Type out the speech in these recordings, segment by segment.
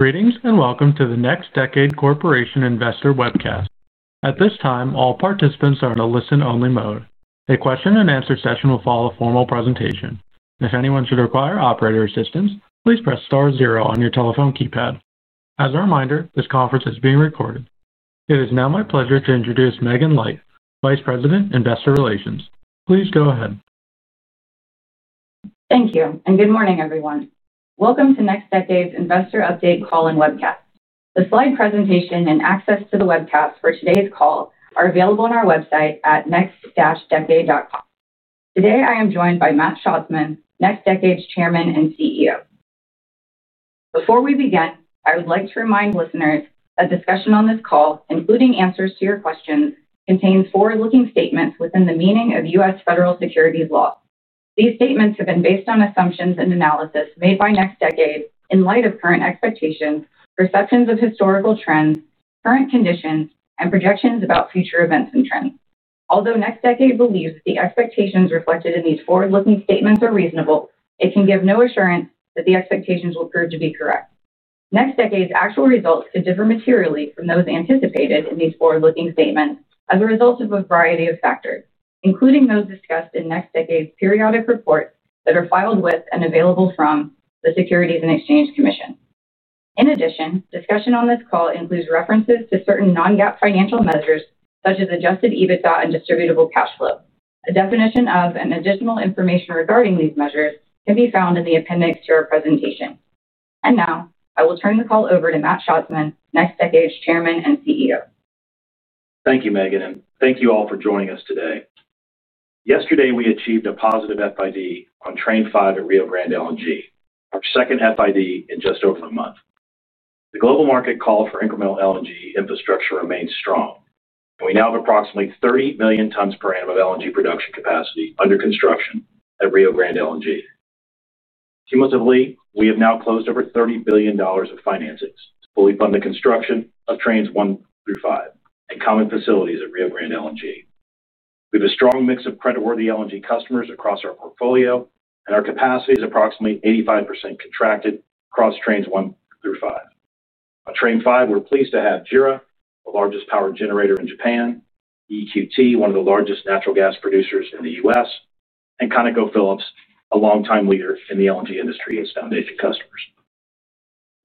Greetings and welcome to the NextDecade Corporation Investor Webcast. At this time, all participants are in a listen-only mode. A question and answer session will follow a formal presentation. If anyone should require operator assistance, please press star zero on your telephone keypad. As a reminder, this conference is being recorded. It is now my pleasure to introduce Megan Light, Vice President, Investor Relations. Please go ahead. Thank you, and good morning, everyone. Welcome to NextDecade's Investor Update Call and Webcast. The slide presentation and access to the webcast for today's call are available on our website at next-decade.com. Today, I am joined by Matt Schatzman, NextDecade's Chairman and CEO. Before we begin, I would like to remind listeners that the discussion on this call, including answers to your questions, contains forward-looking statements within the meaning of U.S. Federal Securities Law. These statements have been based on assumptions and analysis made by NextDecade in light of current expectations, perceptions of historical trends, current conditions, and projections about future events and trends. Although NextDecade believes that the expectations reflected in these forward-looking statements are reasonable, it can give no assurance that the expectations will prove to be correct. NextDecade's actual results could differ materially from those anticipated in these forward-looking statements as a result of a variety of factors, including those discussed in NextDecade's periodic reports that are filed with and available from the Securities and Exchange Commission. In addition, discussion on this call includes references to certain non-GAAP financial measures, such as adjusted EBITDA and distributable cash flow. A definition of and additional information regarding these measures can be found in the appendix to our presentation. I will turn the call over to Matt Schatzman, NextDecade's Chairman and CEO. Thank you, Megan, and thank you all for joining us today. Yesterday, we achieved a positive FID on Train 5 at Rio Grande LNG, our second FID in just over a month. The global market call for incremental LNG infrastructure remains strong, and we now have approximately 30 million tons per annum of LNG production capacity under construction at Rio Grande LNG. Cumulatively, we have now closed over $30 billion of financing to fully fund the construction of Trains 1–5 and common facilities at Rio Grande LNG. We have a strong mix of creditworthy LNG customers across our portfolio, and our capacity is approximately 85% contracted across Trains 1–5. At Train 5, we're pleased to have JERA, the largest power generator in Japan, EQT, one of the largest natural gas producers in the U.S., and ConocoPhillips, a long-time leader in the LNG industry and its foundation customers.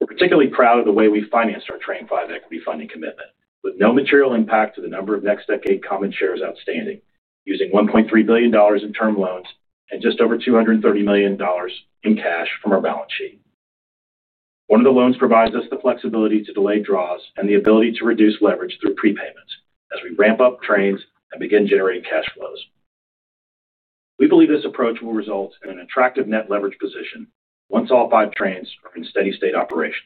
We're particularly proud of the way we financed our Train 5 equity funding commitment, with no material impact to the number of NextDecade common shares outstanding, using $1.3 billion in term loans and just over $230 million in cash from our balance sheet. One of the loans provides us the flexibility to delay draws and the ability to reduce leverage through prepayments as we ramp up Trains and begin generating cash flows. We believe this approach will result in an attractive net leverage position once all five Trains are in steady-state operations.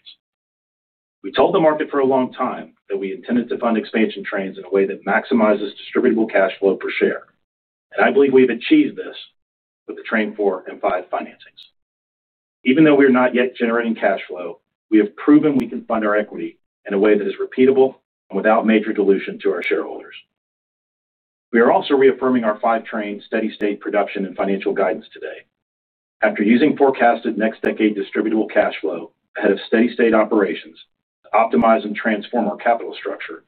We told the market for a long time that we intended to fund expansion Trains in a way that maximizes distributable cash flow per share, and I believe we have achieved this with the Train 4 and 5 financings. Even though we are not yet generating cash flow, we have proven we can fund our equity in a way that is repeatable and without major dilution to our shareholders. We are also reaffirming our five Train steady-state production and financial guidance today. After using forecasted NextDecade distributable cash flow ahead of steady-state operations to optimize and transform our capital structure,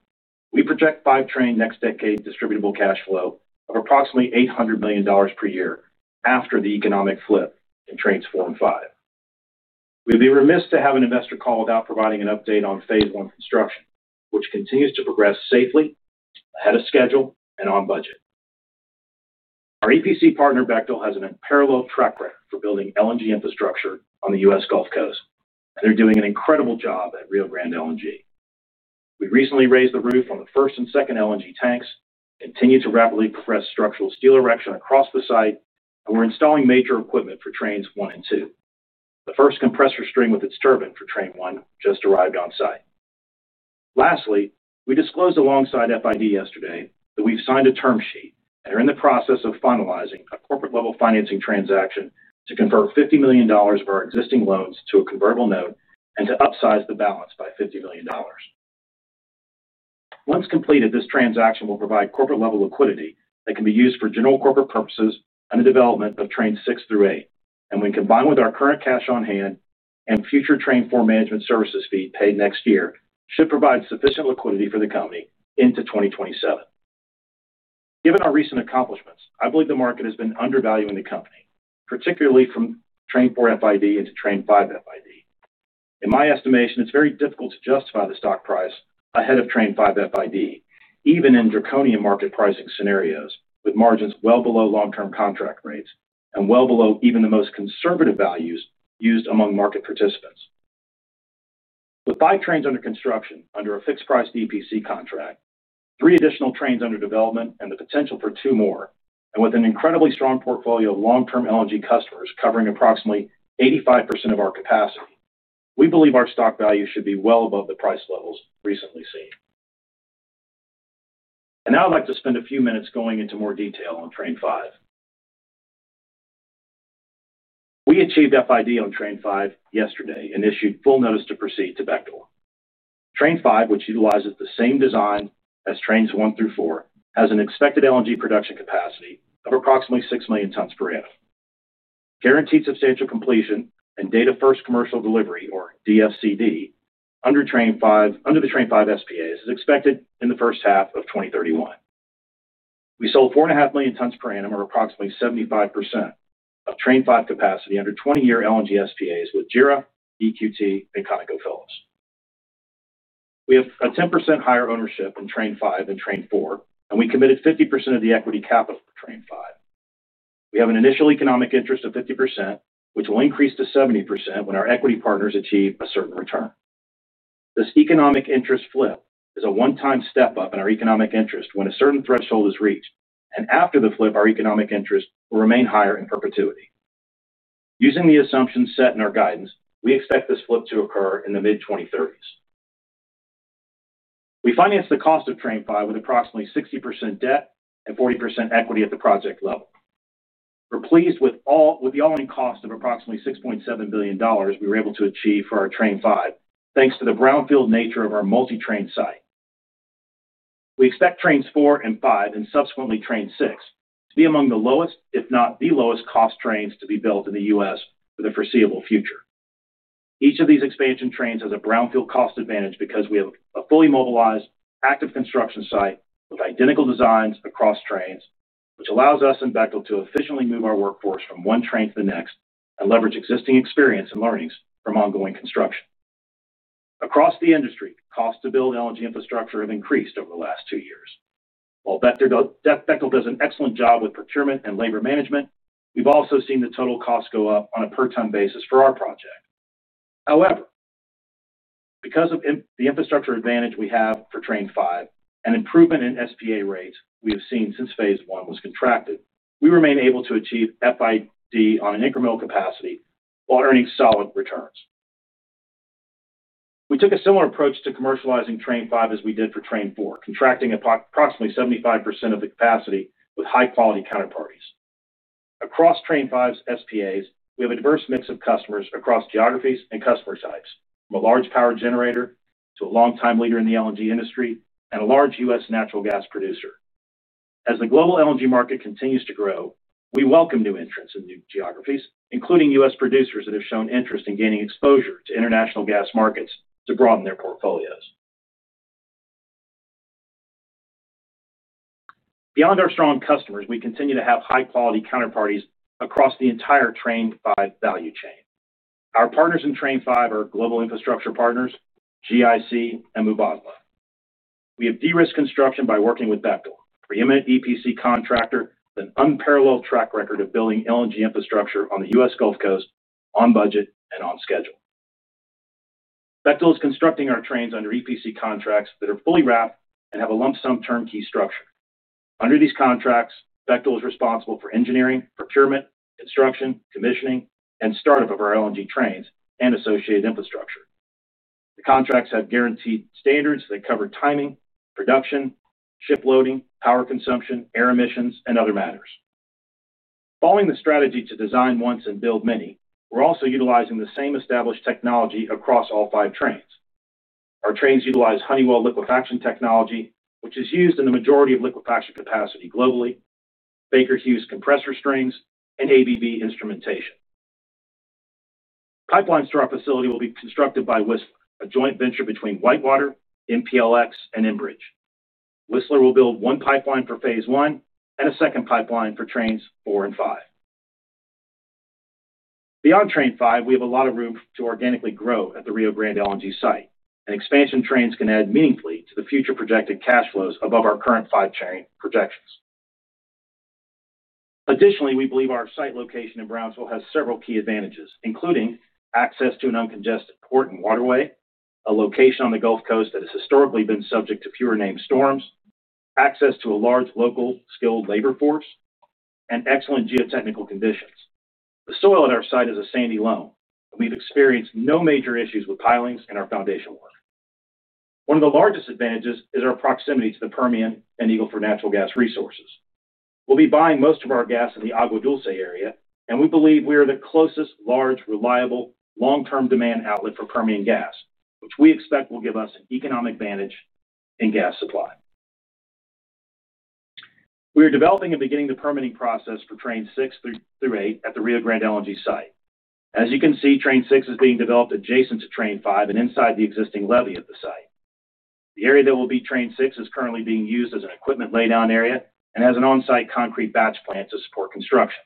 we project five Train NextDecade distributable cash flow of approximately $800 million per year after the economic interest “flip” in Train 5. We would be remiss to have an investor call without providing an update on phase one construction, which continues to progress safely, ahead of schedule, and on budget. Our EPC partner, Bechtel, has an unparalleled track record for building LNG infrastructure on the U.S. Gulf Coast, and they're doing an incredible job at Rio Grande LNG. We recently raised the roof on the first and second LNG tanks, continued to rapidly progress structural steel erection across the site, and we're installing major equipment for Trains 1 and 2. The first compressor string with its turbine for Train 1 just arrived on site. Lastly, we disclosed alongside FID yesterday that we've signed a term sheet and are in the process of finalizing a corporate-level financing transaction to convert $50 million of our existing loans to a convertible note and to upsize the balance by $50 million. Once completed, this transaction will provide corporate-level liquidity that can be used for general corporate purposes and the development of Trains 6 through 8, and when combined with our current cash on hand and future Train 4 management services fee paid next year, should provide sufficient liquidity for the company into 2027. Given our recent accomplishments, I believe the market has been undervaluing the company, particularly from Train 4 FID into Train 5 FID. In my estimation, it's very difficult to justify the stock price ahead of Train 5 FID, even in draconian market pricing scenarios with margins well below long-term contract rates and well below even the most conservative values used among market participants. With five Trains under construction under a fixed-price EPC contract, three additional Trains under development, and the potential for two more, and with an incredibly strong portfolio of long-term LNG customers covering approximately 85% of our capacity, we believe our stock value should be well above the price levels recently seen. I would like to spend a few minutes going into more detail on Train 5. We achieved FID on Train 5 yesterday and issued full notice to proceed to Bechtel. Train 5, which utilizes the same design as Trains 1 through 4, has an expected LNG production capacity of approximately 6 million tons per annum. Guaranteed substantial completion and data-first commercial delivery, or DFCD, under the Train 5 SPAs is expected in the first half of 2031. We sold 4.5 million tons per annum or approximately 75% of Train 5 capacity under 20-year LNG SPAs with JERA, EQT, and ConocoPhillips. We have a 10% higher ownership in Train 5 than Train 4, and we committed 50% of the equity capital for Train 5. We have an initial economic interest of 50%, which will increase to 70% when our equity partners achieve a certain return. This economic interest “flip” is a one-time step up in our economic interest when a certain threshold is reached, and after the flip, our economic interest will remain higher in perpetuity. Using the assumptions set in our guidance, we expect this flip to occur in the mid-2030s. We financed the cost of Train 5 with approximately 60% debt and 40% equity at the project level. We're pleased with the all-in cost of approximately $6.7 billion we were able to achieve for our Train 5, thanks to the brownfield nature of our multi-Train site. We expect Trains 4 and 5, and subsequently Train 6, to be among the lowest, if not the lowest, cost Trains to be built in the U.S. for the foreseeable future. Each of these expansion Trains has a brownfield cost advantage because we have a fully mobilized active construction site with identical designs across Trains, which allows us and Bechtel to efficiently move our workforce from one Train to the next and leverage existing experience and learnings from ongoing construction. Across the industry, costs to build liquefied natural gas infrastructure have increased over the last two years. While Bechtel does an excellent job with procurement and labor management, we've also seen the total cost go up on a per-ton basis for our project. However, because of the infrastructure advantage we have for Train 5 and improvement in SPA pricing we have seen since phase I was contracted, we remain able to achieve Final Investment Decision on an incremental capacity while earning solid returns. We took a similar approach to commercializing Train 5 as we did for Train 4, contracting approximately 75% of the capacity with high-quality counterparties. Across Train 5's SPAs, we have a diverse mix of customers across geographies and customer types, from a large power generator to a long-time leader in the LNG industry and a large U.S. natural gas producer. As the global liquefied natural gas market continues to grow, we welcome new entrants in new geographies, including U.S. producers that have shown interest in gaining exposure to international gas markets to broaden their portfolios. Beyond our strong customers, we continue to have high-quality counterparties across the entire Train 5 value chain. Our partners in Train 5 are Global Infrastructure Partners, GIC, and Mubadala. We have de-risked construction by working with Bechtel, a preeminent EPC contractor with an unparalleled track record of building LNG infrastructure on the U.S. Gulf Coast on budget and on schedule. Bechtel is constructing our Trains under EPC contracts that are fully wrapped and have a lump-sum turnkey structure. Under these contracts, Bechtel is responsible for engineering, procurement, construction, commissioning, and startup of our LNG Trains and associated infrastructure. The contracts have guaranteed standards that cover timing, production, ship loading, power consumption, air emissions, and other matters. Following the strategy to design once and build many, we're also utilizing the same established technology across all five Trains. Our Trains utilize Honeywell liquefaction technology, which is used in the majority of liquefied natural gas capacity globally, Baker Hughes compressor strings, and ABB instrumentation. Pipelines to our facility will be constructed by Whistler, a joint venture between WhiteWater, MPLX, and Enbridge. Whistler will build one pipeline for phase one and a second pipeline for Trains 4 and 5. Beyond Train 5, we have a lot of room to organically grow at the Rio Grande LNG site, and expansion Trains can add meaningfully to the future projected cash flows above our current five Train projections. Additionally, we believe our site location in Brownsville has several key advantages, including access to an uncongested port and waterway, a location on the Gulf Coast that has historically been subject to fewer named storms, access to a large local skilled labor force, and excellent geotechnical conditions. The soil at our site is a sandy loam, and we've experienced no major issues with pilings in our foundation work. One of the largest advantages is our proximity to the Permian and Eagle Ford natural gas resources. We'll be buying most of our gas in the Agua Dulce area, and we believe we are the closest large, reliable, long-term demand outlet for Permian gas, which we expect will give us an economic advantage in gas supply. We are developing and beginning the permitting process for Trains 6 through 8 at the Rio Grande LNG site. As you can see, Train 6 is being developed adjacent to Train 5 and inside the existing levee at the site. The area that will be Train 6 is currently being used as an equipment laydown area and has an on-site concrete batch plant to support construction.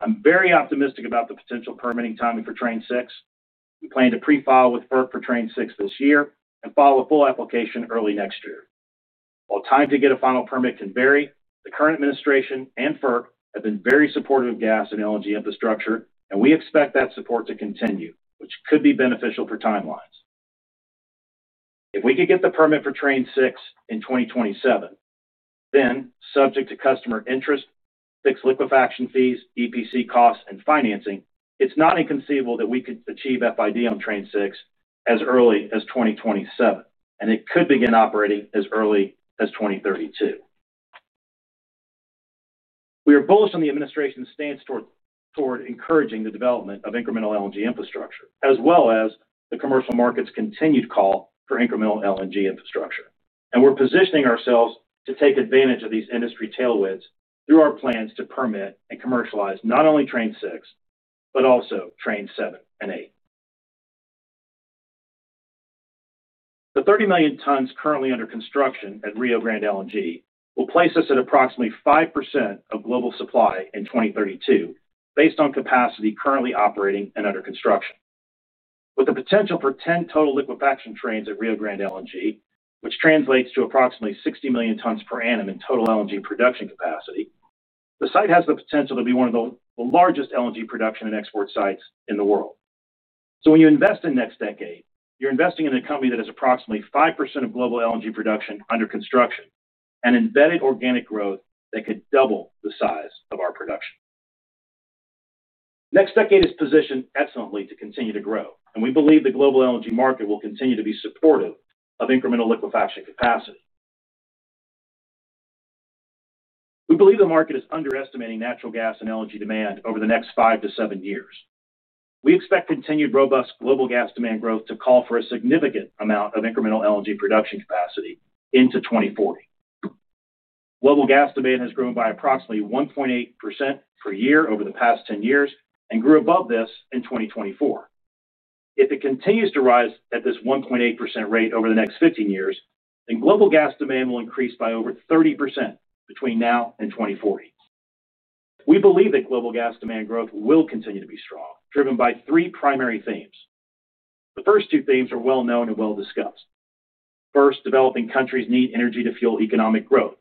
I'm very optimistic about the potential permitting timing for Train 6. We plan to pre-file with FERC for Train 6 this year and file a full application early next year. While time to get a final permit can vary, the current administration and FERC have been very supportive of gas and LNG infrastructure, and we expect that support to continue, which could be beneficial for timelines. If we could get the permit for Train 6 in 2027, then subject to customer interest, fixed liquefaction fees, EPC costs, and financing, it's not inconceivable that we could achieve FID on Train 6 as early as 2027, and it could begin operating as early as 2032. We are bullish on the administration's stance toward encouraging the development of incremental LNG infrastructure, as well as the commercial market's continued call for incremental LNG infrastructure. We are positioning ourselves to take advantage of these industry tailwinds through our plans to permit and commercialize not only Train 6, but also Trains 7 and 8. The 30 million tons currently under construction at Rio Grande LNG will place us at approximately 5% of global supply in 2032 based on capacity currently operating and under construction. With the potential for 10 total liquefaction Trains at Rio Grande LNG, which translates to approximately 60 million tons per annum in total LNG production capacity, the site has the potential to be one of the largest LNG production and export sites in the world. When you invest in NextDecade, you're investing in a company that has approximately 5% of global LNG production under construction and embedded organic growth that could double the size of our production. NextDecade is positioned excellently to continue to grow, and we believe the global LNG market will continue to be supportive of incremental liquefaction capacity. We believe the market is underestimating natural gas and LNG demand over the next five to seven years. We expect continued robust global gas demand growth to call for a significant amount of incremental LNG production capacity into 2040. Global gas demand has grown by approximately 1.8% per year over the past 10 years and grew above this in 2024. If it continues to rise at this 1.8% rate over the next 15 years, then global gas demand will increase by over 30% between now and 2040. We believe that global gas demand growth will continue to be strong, driven by three primary themes. The first two themes are well known and well discussed. First, developing countries need energy to fuel economic growth,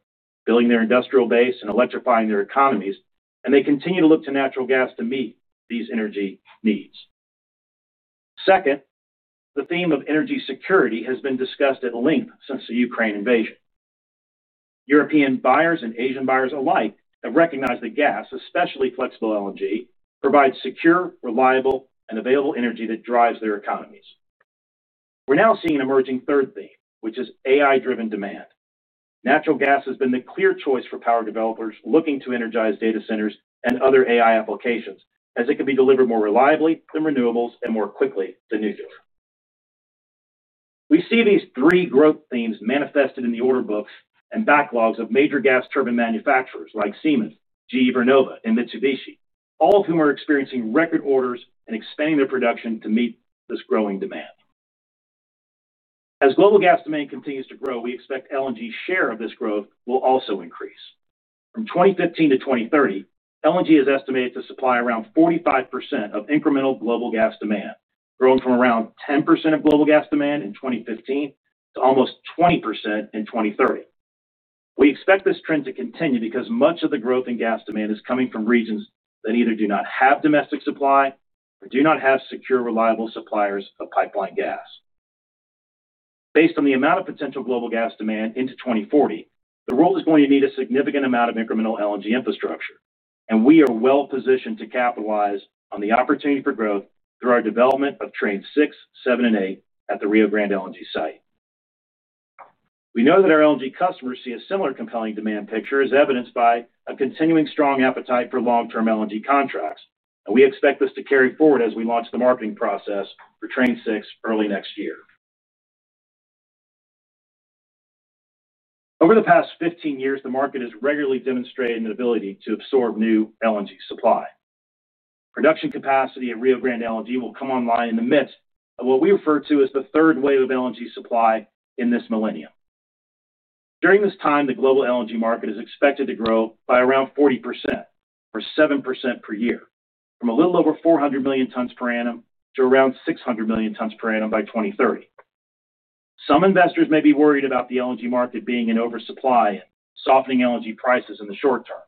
building their industrial base, and electrifying their economies, and they continue to look to natural gas to meet these energy needs. Second, the theme of energy security has been discussed at length since the Ukraine invasion. European buyers and Asian buyers alike have recognized that gas, especially flexible LNG, provides secure, reliable, and available energy that drives their economies. We're now seeing an emerging third theme, which is AI-driven demand. Natural gas has been the clear choice for power developers looking to energize data centers and other AI applications, as it can be delivered more reliably than renewables and more quickly than nuclear. We see these three growth themes manifested in the order books and backlogs of major gas turbine manufacturers like Siemens, GE Vernova, and Mitsubishi, all of whom are experiencing record orders and expanding their production to meet this growing demand. As global gas demand continues to grow, we expect LNG's share of this growth will also increase. From 2015 to 2030, LNG is estimated to supply around 45% of incremental global gas demand, growing from around 10% of global gas demand in 2015 to almost 20% in 2030. We expect this trend to continue because much of the growth in gas demand is coming from regions that either do not have domestic supply or do not have secure, reliable suppliers of pipeline gas. Based on the amount of potential global gas demand into 2040, the world is going to need a significant amount of incremental LNG infrastructure, and we are well positioned to capitalize on the opportunity for growth through our development of Trains 6, 7, 8 at the Rio Grande LNG site. We know that our LNG customers see a similar compelling demand picture, as evidenced by a continuing strong appetite for long-term LNG contracts, and we expect this to carry forward as we launch the marketing process for Trains 6 early next year. Over the past 15 years, the market has regularly demonstrated an ability to absorb new LNG supply. Production capacity at Rio Grande LNG will come online in the midst of what we refer to as the third wave of LNG supply in this millennium. During this time, the global LNG market is expected to grow by around 40% or 7% per year, from a little over 400 million tons per annum to around 600 million tons per annum by 2030. Some investors may be worried about the LNG market being in oversupply and softening LNG prices in the short term.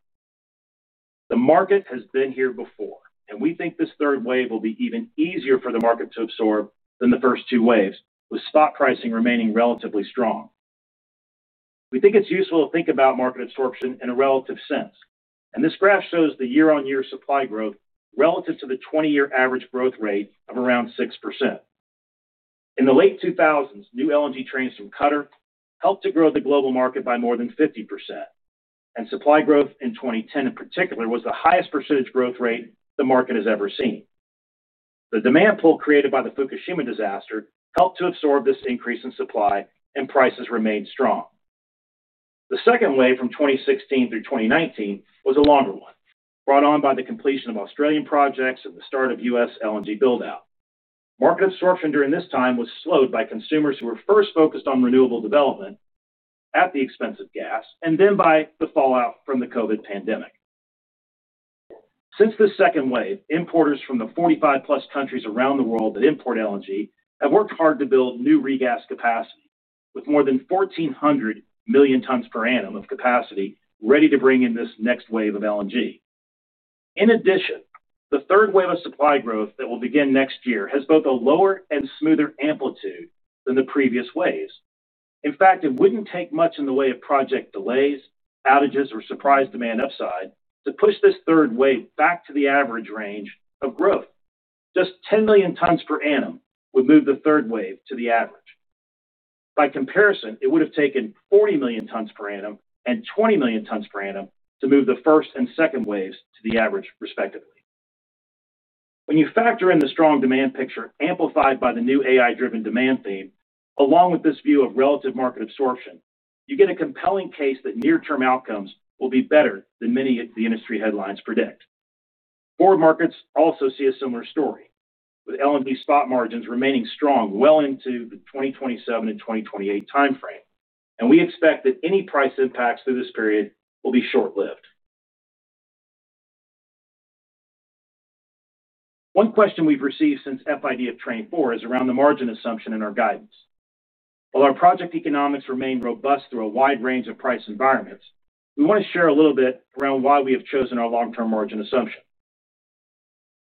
The market has been here before, and we think this third wave will be even easier for the market to absorb than the first two waves, with stock pricing remaining relatively strong. We think it's useful to think about market absorption in a relative sense, and this graph shows the year-on-year supply growth relative to the 20-year average growth rate of around 6%. In the late 2000s, new LNG Trains from Qatar helped to grow the global market by more than 50%, and supply growth in 2010 in particular was the highest percentage growth rate the market has ever seen. The demand pull created by the Fukushima disaster helped to absorb this increase in supply, and prices remained strong. The second wave from 2016 through 2019 was a longer one, brought on by the completion of Australian projects and the start of U.S. LNG buildout. Market absorption during this time was slowed by consumers who were first focused on renewable development at the expense of gas, and then by the fallout from the COVID pandemic. Since the second wave, importers from the 45+ countries around the world that import LNG have worked hard to build new regas capacity, with more than 1,400 million tons per annum of capacity ready to bring in this next wave of LNG. In addition, the third wave of supply growth that will begin next year has both a lower and smoother amplitude than the previous waves. In fact, it wouldn't take much in the way of project delays, outages, or surprise demand upside to push this third wave back to the average range of growth. Just 10 million tons per annum would move the third wave to the average. By comparison, it would have taken 40 million tons per annum and 20 million tons per annum to move the first and second waves to the average, respectively. When you factor in the strong demand picture amplified by the new AI-driven demand theme, along with this view of relative market absorption, you get a compelling case that near-term outcomes will be better than many of the industry headlines predict. Forward markets also see a similar story, with LNG spot margins remaining strong well into the 2027 and 2028 timeframe, and we expect that any price impacts through this period will be short-lived. One question we've received since FID of Train 4 is around the margin assumption in our guidance. While our project economics remain robust through a wide range of price environments, we want to share a little bit around why we have chosen our long-term margin assumption.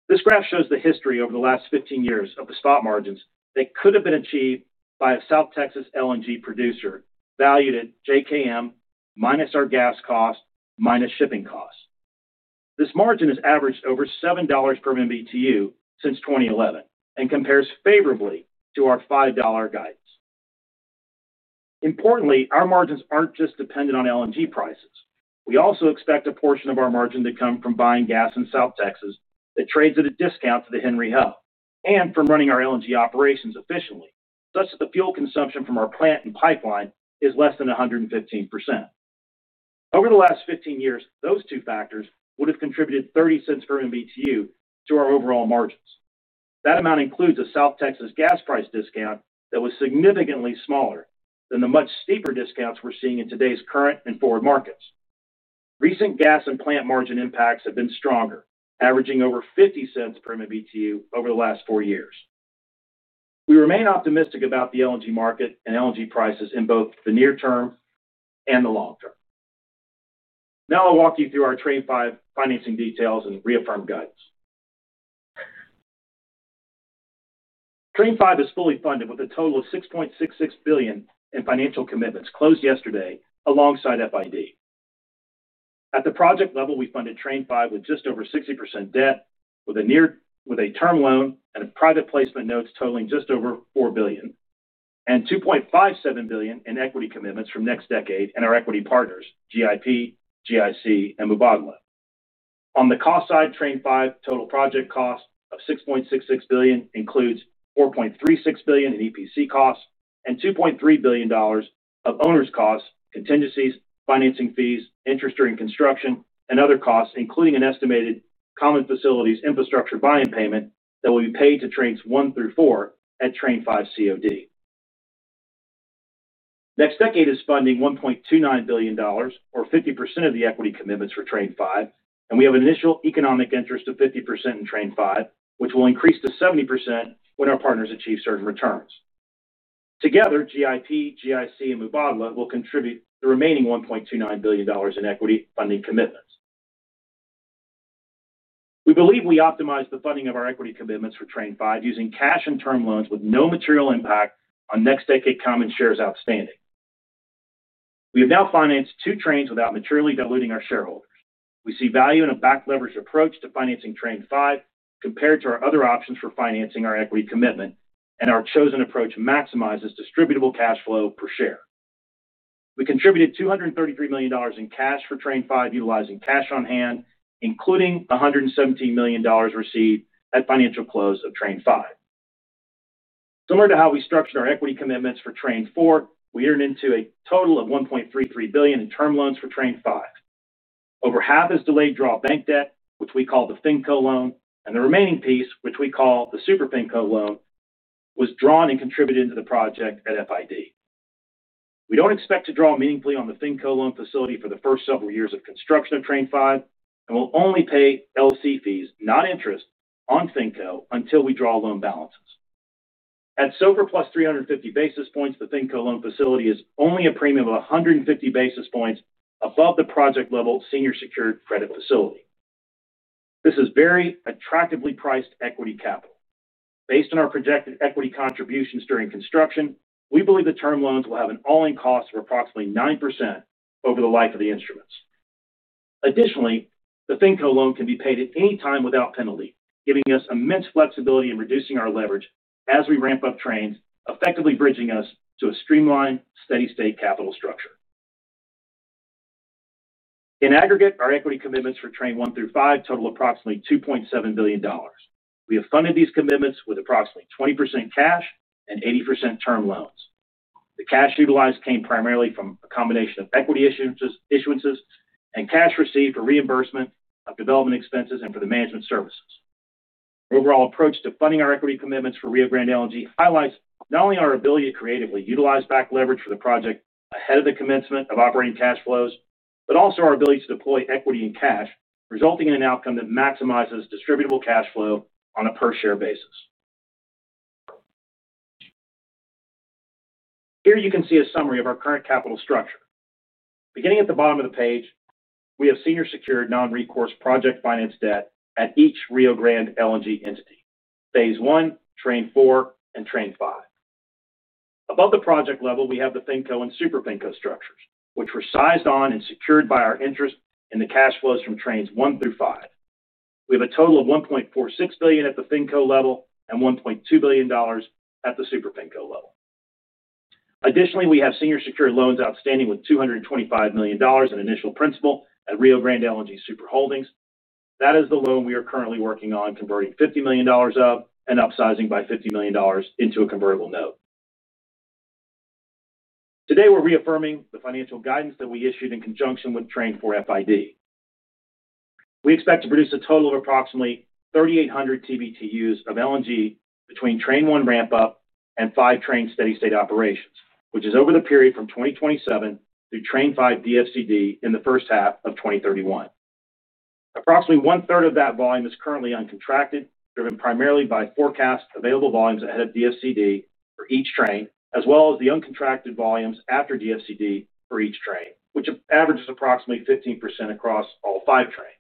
This graph shows the history over the last 15 years of the spot margins that could have been achieved by a South Texas LNG producer valued at JKM minus our gas cost minus shipping cost. This margin has averaged over $7 per MBtu since 2011 and compares favorably to our $5 guidance. Importantly, our margins aren't just dependent on LNG prices. We also expect a portion of our margin to come from buying gas in South Texas that trades at a discount to the Henry Hub and from running our LNG operations efficiently, such that the fuel consumption from our plant and pipeline is less than 115%. Over the last 15 years, those two factors would have contributed $0.30 per MBtu to our overall margins. That amount includes a South Texas gas price discount that was significantly smaller than the much steeper discounts we're seeing in today's current and forward markets. Recent gas and plant margin impacts have been stronger, averaging over $0.50 per MBtu over the last four years. We remain optimistic about the LNG market and LNG prices in both the near term and the long term. Now I'll walk you through our Train 5 financing details and reaffirm guidance. Train 5 is fully funded with a total of $6.66 billion in financial commitments closed yesterday alongside FID. At the project level, we funded Train 5 with just over 60% debt, with a term loan and private placement notes totaling just over $4 billion, and $2.57 billion in equity commitments from NextDecade and our equity partners, GIP, GIC, and Mubadala. On the cost side, Train 5 total project cost of $6.66 billion includes $4.36 billion in EPC costs and $2.3 billion of owners' costs, contingencies, financing fees, interest during construction, and other costs, including an estimated common facilities infrastructure buy-in payment that will be paid to Trains 1 through 4 at Train 5 COD. NextDecade is funding $1.29 billion, or 50% of the equity commitments for Train 5, and we have an initial economic interest of 50% in Train 5, which will increase to 70% when our partners achieve certain returns. Together, GIP, GIC, and Mubadala will contribute the remaining $1.29 billion in equity funding commitments. We believe we optimized the funding of our equity commitments for Train 5 using cash and term loans with no material impact on NextDecade common shares outstanding. We have now financed two Trains without materially diluting our shareholders. We see value in a back-leveraged approach to financing Train 5 compared to our other options for financing our equity commitment, and our chosen approach maximizes distributable cash flow per share. We contributed $233 million in cash for Train 5 utilizing cash on hand, including $117 million received at financial close of Train 5. Similar to how we structured our equity commitments for Train 4, we earned into a total of $1.33 billion in term loans for Train 5. Over half is delayed draw bank debt, which we call the FinCo loan, and the remaining piece, which we call the Super FinCo loan, was drawn and contributed into the project at FID. We don't expect to draw meaningfully on the FinCo loan facility for the first several years of construction of Train 5 and will only pay LLC fees, not interest, on FinCo until we draw loan balances. At SOFR plus 350 basis points, the FinCo loan facility is only a premium of 150 basis points above the project-level senior secured credit facility. This is very attractively priced equity capital. Based on our projected equity contributions during construction, we believe the term loans will have an all-in cost of approximately 9% over the life of the instruments. Additionally, the FinCo loan can be paid at any time without penalty, giving us immense flexibility in reducing our leverage as we ramp up Trains, effectively bridging us to a streamlined, steady-state capital structure. In aggregate, our equity commitments for Trains 1–5 total approximately $2.7 billion. We have funded these commitments with approximately 20% cash and 80% term loans. The cash utilized came primarily from a combination of equity issuances and cash received for reimbursement of development expenses and for the management services. The overall approach to funding our equity commitments for Rio Grande LNG highlights not only our ability to creatively utilize back leverage for the project ahead of the commencement of operating cash flows, but also our ability to deploy equity and cash, resulting in an outcome that maximizes distributable cash flow on a per-share basis. Here you can see a summary of our current capital structure. Beginning at the bottom of the page, we have senior secured non-recourse project finance debt at each Rio Grande LNG entity: phase I, Train 4, and Train 5. Above the project level, we have the FinCo and SuperFinCo structures, which were sized on and secured by our interest in the cash flows from Trains 1 through 5. We have a total of $1.46 billion at the FinCo level and $1.2 billion at the Super FinCo level. Additionally, we have senior secured loans outstanding with $225 million in initial principal at Rio Grande LNG Super Holdings. That is the loan we are currently working on converting $50 million of and upsizing by $50 million into a convertible note. Today, we're reaffirming the financial guidance that we issued in conjunction with Train 4 FID. We expect to produce a total of approximately 3,800 TBtu of LNG between Train 1 ramp-up and five Train steady state operations, which is over the period from 2027 through Train 5 DFCD in the first half of 2031. Approximately one-third of that volume is currently uncontracted, driven primarily by forecast available volumes ahead of DFCD for each Train, as well as the uncontracted volumes after DFCD for each Train, which averages approximately 15% across all five Trains.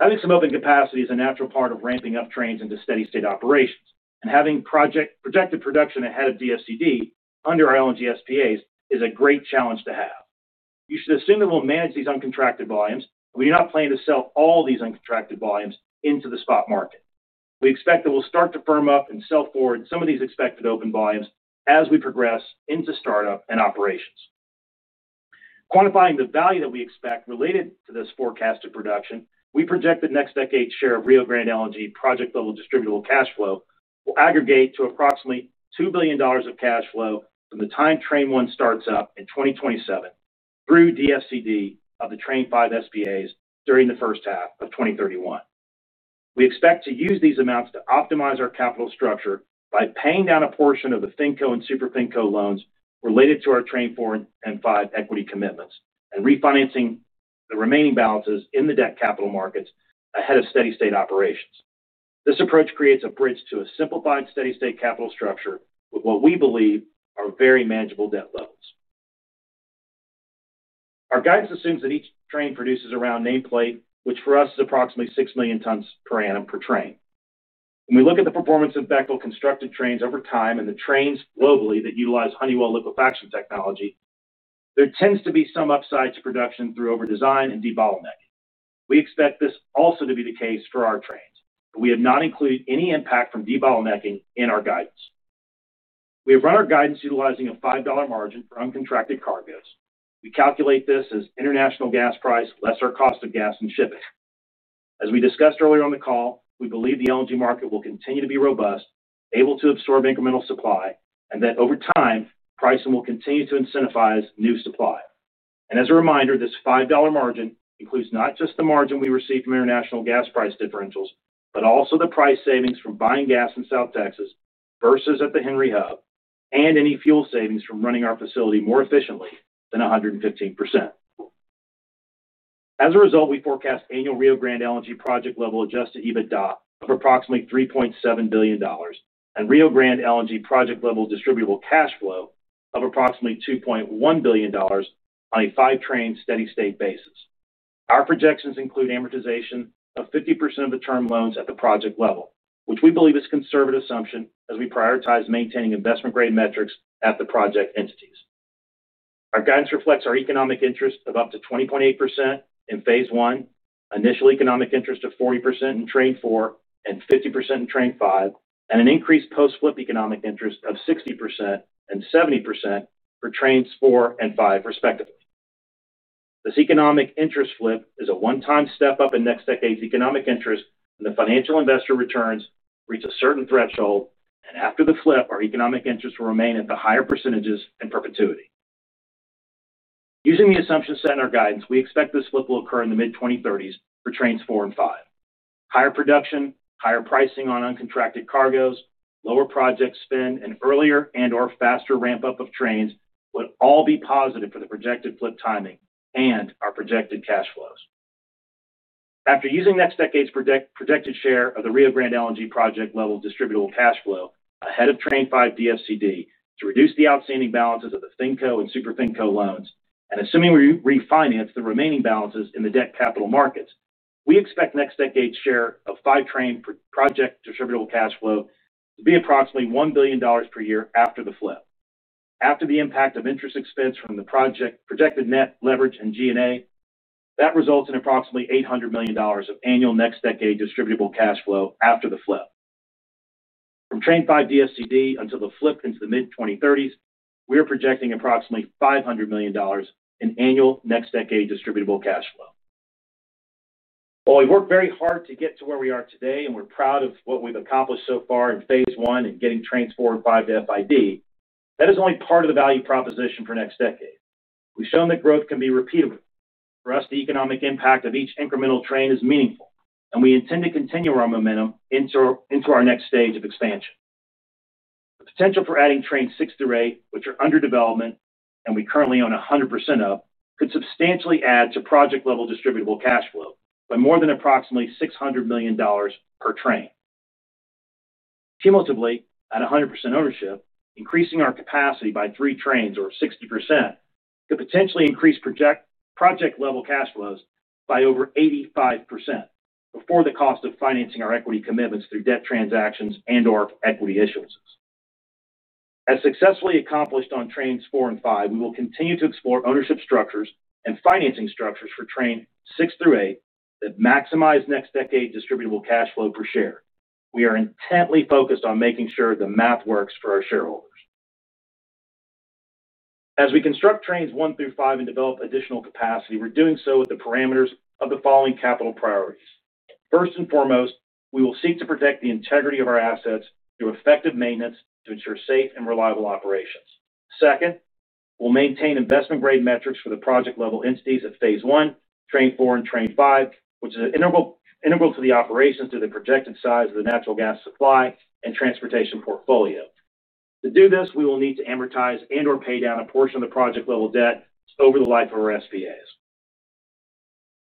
Having some open capacity is a natural part of ramping up Trains into steady state operations, and having projected production ahead of DFCD under our LNG SPAs is a great challenge to have. You should assume that we'll manage these uncontracted volumes, and we do not plan to sell all these uncontracted volumes into the spot market. We expect that we'll start to firm up and sell forward some of these expected open volumes as we progress into startup and operations. Quantifying the value that we expect related to this forecasted production, we project that NextDecade's share of Rio Grande LNG project-level distributable cash flow will aggregate to approximately $2 billion of cash flow from the time Train 1 starts up in 2027 through DFCD of the Train 5 SPAs during the first half of 2031. We expect to use these amounts to optimize our capital structure by paying down a portion of the FinCo and SuperFinCo loans related to our Train 4 and 5 equity commitments and refinancing the remaining balances in the debt capital markets ahead of steady state operations. This approach creates a bridge to a simplified steady state capital structure with what we believe are very manageable debt levels. Our guidance assumes that each Train produces around nameplate, which for us is approximately 6 million tons per annum per Train. When we look at the performance of Bechtel constructed Trains over time and the Trains globally that utilize Honeywell liquefaction technology, there tends to be some upside to production through overdesign and debottlenecking. We expect this also to be the case for our Trains, but we have not included any impact from debottlenecking in our guidance. We have run our guidance utilizing a $5 margin for uncontracted cargoes. We calculate this as international gas price less our cost of gas and shipping. As we discussed earlier on the call, we believe the LNG market will continue to be robust, able to absorb incremental supply, and that over time, pricing will continue to incentivize new supply. This $5 margin includes not just the margin we receive from international gas price differentials, but also the price savings from buying gas in South Texas versus at the Henry Hub and any fuel savings from running our facility more efficiently than 115%. As a result, we forecast annual Rio Grande LNG project-level adjusted EBITDA of approximately $3.7 billion and Rio Grande LNG project-level distributable cash flow of approximately $2.1 billion on a five Train steady-state basis. Our projections include amortization of 50% of the term loans at the project level, which we believe is a conservative assumption as we prioritize maintaining investment-grade metrics at the project entities. Our guidance reflects our economic interest of up to 20.8% in phase I, initial economic interest of 40% in Train 4 and 50% in Train 5, and an increased post-flip economic interest of 60% and 70% for Trains 4 and 5, respectively. This economic interest flip is a one-time step up in NextDecade's economic interest when the financial investor returns reach a certain threshold, and after the flip, our economic interest will remain at the higher percentages in perpetuity. Using the assumptions set in our guidance, we expect this flip will occur in the mid-2030s for Trains 4 and 5. Higher production, higher pricing on uncontracted cargoes, lower project spend, and earlier and/or faster ramp-up of Trains would all be positive for the projected flip timing and our projected cash flows. After using NextDecade's projected share of the Rio Grande LNG project-level distributable cash flow ahead of Train 5 DFCD to reduce the outstanding balances of the FinCo and SuperFinCo loans, and assuming we refinance the remaining balances in the debt capital markets, we expect NextDecade's share of five Train project distributable cash flow to be approximately $1 billion per year after the flip. After the impact of interest expense from the project projected net leverage and G&A, that results in approximately $800 million of annual NextDecade distributable cash flow after the flip. From Train 5 DFCD until the flip into the mid-2030s, we are projecting approximately $500 million in annual NextDecade distributable cash flow. While we've worked very hard to get to where we are today and we're proud of what we've accomplished so far in phase one and getting Trains 4 and 5 to FID, that is only part of the value proposition for NextDecade. We've shown that growth can be repeatable. For us, the economic impact of each incremental Train is meaningful, and we intend to continue our momentum into our next stage of expansion. The potential for adding Trains 6–8, which are under development and we currently own 100% of, could substantially add to project-level distributable cash flow by more than approximately $600 million per Train. Cumulatively, at 100% ownership, increasing our capacity by three Trains, or 60%, could potentially increase project-level cash flows by over 85% before the cost of financing our equity commitments through debt transactions and/or equity issuances. As successfully accomplished on Trains 4 and 5, we will continue to explore ownership structures and financing structures for Trains 6–8 that maximize NextDecade distributable cash flow per share. We are intently focused on making sure the math works for our shareholders. As we construct Trains 1–5 and develop additional capacity, we're doing so with the parameters of the following capital priorities. First and foremost, we will seek to protect the integrity of our assets through effective maintenance to ensure safe and reliable operations. Second, we'll maintain investment-grade metrics for the project-level entities of phase one, Train 4, and Train 5, which is integral to the operations to the projected size of the natural gas supply and transportation portfolio. To do this, we will need to amortize and/or pay down a portion of the project-level debt over the life of our SPAs.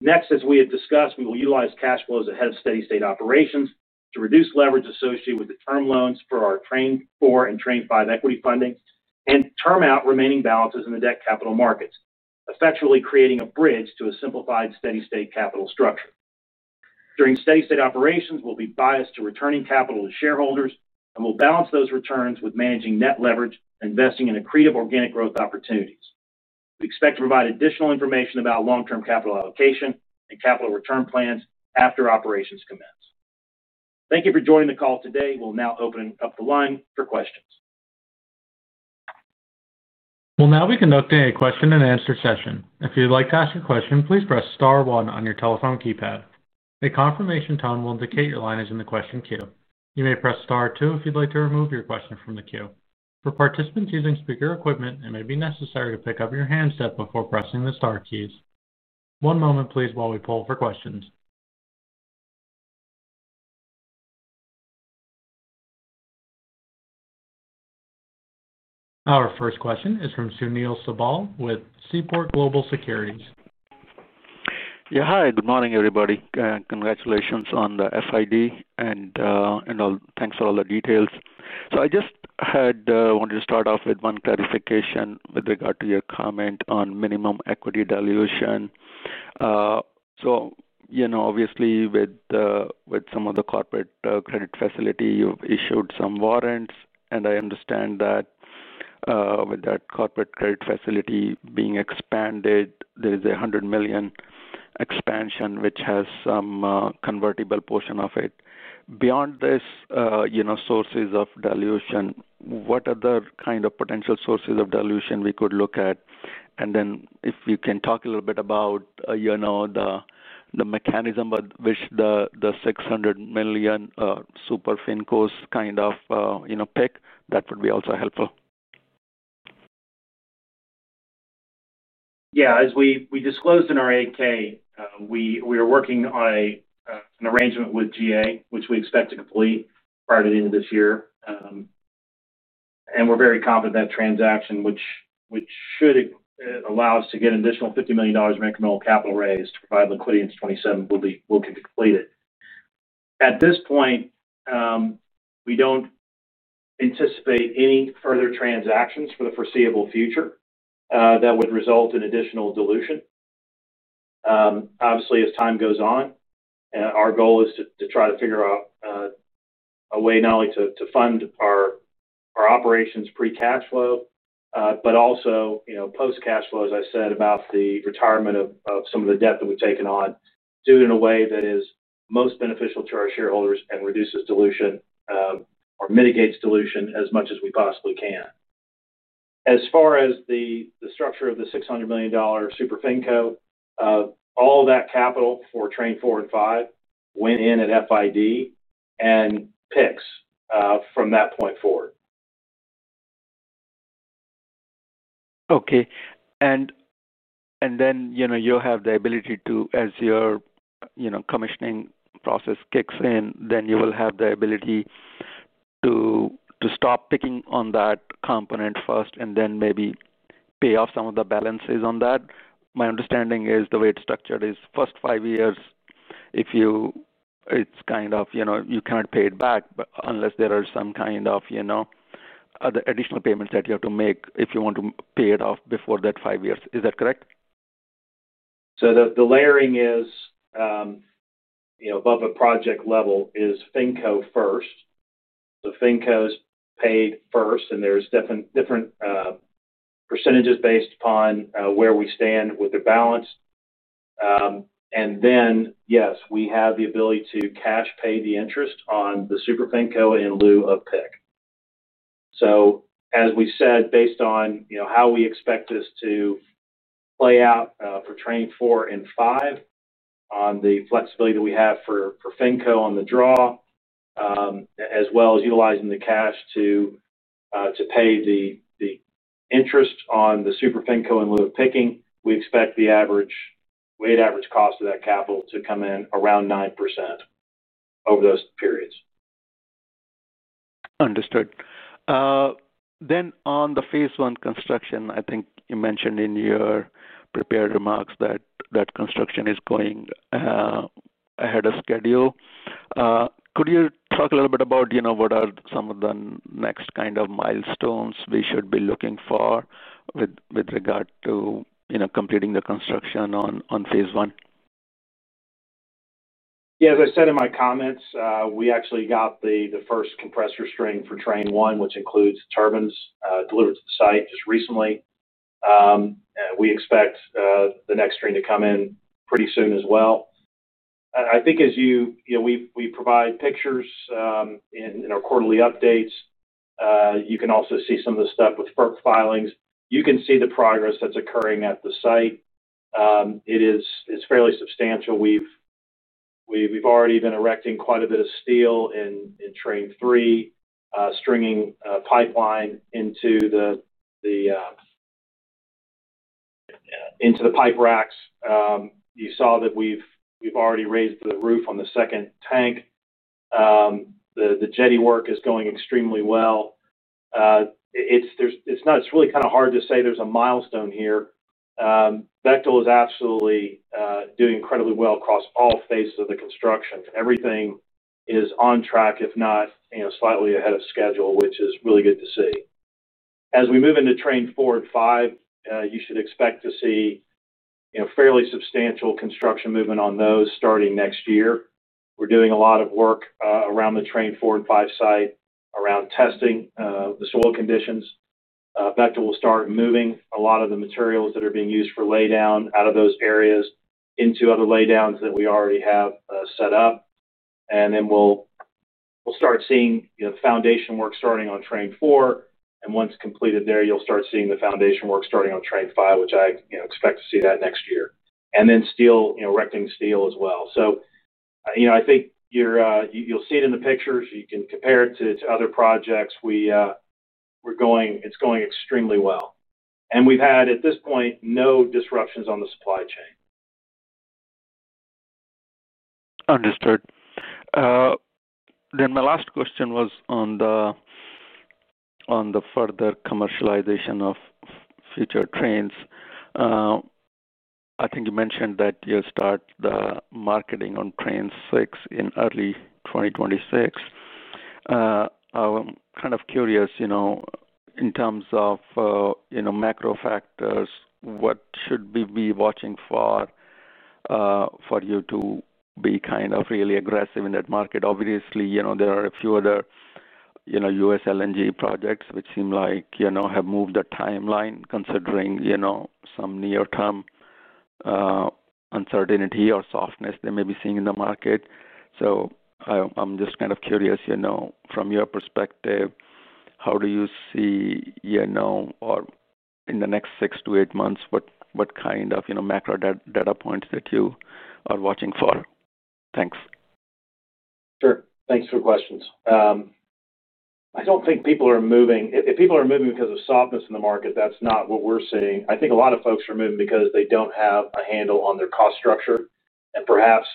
Next, as we have discussed, we will utilize cash flows ahead of steady-state operations to reduce leverage associated with the term loans for our Train 4 and Train 5 equity funding and term out remaining balances in the debt capital markets, effectively creating a bridge to a simplified steady-state capital structure. During steady-state operations, we'll be biased to returning capital to shareholders and will balance those returns with managing net leverage and investing in accretive organic growth opportunities. We expect to provide additional information about long-term capital allocation and capital return plans after operations commence. Thank you for joining the call today. We'll now open up the line for questions. We are now conducting a question and answer session. If you'd like to ask a question, please press star one on your telephone keypad. A confirmation tone will indicate your line is in the question queue. You may press star two if you'd like to remove your question from the queue. For participants using speaker equipment, it may be necessary to pick up your handset before pressing the star keys. One moment, please, while we poll for questions. Our first question is from Sunil Sibal with Seaport Global Securities. Yeah, hi. Good morning, everybody. Congratulations on the FID and all. Thanks for all the details. I just had wanted to start off with one clarification with regard to your comment on minimum equity dilution. Obviously, with some of the corporate credit facility, you've issued some warrants, and I understand that with that corporate credit facility being expanded, there is a $100 million expansion, which has some convertible portion of it. Beyond this, sources of dilution, what other kind of potential sources of dilution we could look at? If you can talk a little bit about the mechanism by which the $600 million SuperFinCos pick, that would be also helpful. Yeah, as we disclosed in our 8-K, we are working on an arrangement with GA, which we expect to complete prior to the end of this year. We're very confident that transaction, which should allow us to get an additional $50 million in incremental capital raised to provide liquidity in 2027, will be completed. At this point, we don't anticipate any further transactions for the foreseeable future that would result in additional dilution. Obviously, as time goes on, our goal is to try to figure out a way not only to fund our operations pre-cash flow, but also, you know, post-cash flow, as I said about the retirement of some of the debt that we've taken on, do it in a way that is most beneficial to our shareholders and reduces dilution or mitigates dilution as much as we possibly can. As far as the structure of the $600 million SuperFinCo, all of that capital for Train 4 and 5 went in at FID and picks from that point forward. Okay. You have the ability to, as your commissioning process kicks in, then you will have the ability to stop picking on that component first and then maybe pay off some of the balances on that. My understanding is the way it's structured is first five years, if you, it's kind of, you cannot pay it back unless there are some kind of other additional payments that you have to make if you want to pay it off before that five years. Is that correct? The layering is, you know, above a project level is FinCo first. FinCos paid first, and there's different percentages based upon where we stand with the balance. Yes, we have the ability to cash pay the interest on the SuperFinCo in lieu of PIC. As we said, based on, you know, how we expect this to play out for Train 4 and 5 on the flexibility that we have for FinCo on the draw, as well as utilizing the cash to pay the interest on the SuperFinCo in lieu of PICing, we expect the weighted average cost of that capital to come in around 9% over those periods. Understood. On the phase I construction, I think you mentioned in your prepared remarks that construction is going ahead of schedule. Could you talk a little bit about what are some of the next kind of milestones we should be looking for with regard to completing the construction on phase one? Yeah, as I said in my comments, we actually got the first compressor string for Train 1, which includes turbines, delivered to the site just recently. We expect the next string to come in pretty soon as well. I think as you know, we provide pictures in our quarterly updates, you can also see some of the stuff with FERC filings. You can see the progress that's occurring at the site. It is fairly substantial. We've already been erecting quite a bit of steel in Train 3, stringing pipeline into the pipe racks. You saw that we've already raised the roof on the second tank. The jetty work is going extremely well. It's really kind of hard to say there's a milestone here. Bechtel is absolutely doing incredibly well across all phases of the construction. Everything is on track, if not, you know, slightly ahead of schedule, which is really good to see. As we move into Train 4 and 5, you should expect to see, you know, fairly substantial construction movement on those starting next year. We're doing a lot of work around the Train 4 and 5 site around testing the soil conditions. Bechtel will start moving a lot of the materials that are being used for laydown out of those areas into other laydowns that we already have set up. We will start seeing foundation work starting on Train 4, and once completed there, you'll start seeing the foundation work starting on Train 5, which I expect to see that next year. Then steel, you know, erecting steel as well. I think you'll see it in the pictures. You can compare it to other projects. It's going extremely well. We've had, at this point, no disruptions on the supply chain. Understood. My last question was on the further commercialization of future Trains. I think you mentioned that you'll start the marketing on Train 6 in early 2026. I'm kind of curious, in terms of macro factors, what should we be watching for you to be really aggressive in that market? Obviously, there are a few other U.S. LNG projects which seem like they have moved the timeline considering some near-term uncertainty or softness they may be seeing in the market. I'm just curious, from your perspective, how do you see, in the next six to eight months, what kind of macro data points you are watching for? Thanks. Sure. Thanks for the questions. I don't think people are moving. If people are moving because of softness in the market, that's not what we're seeing. I think a lot of folks are moving because they don't have a handle on their cost structure and perhaps,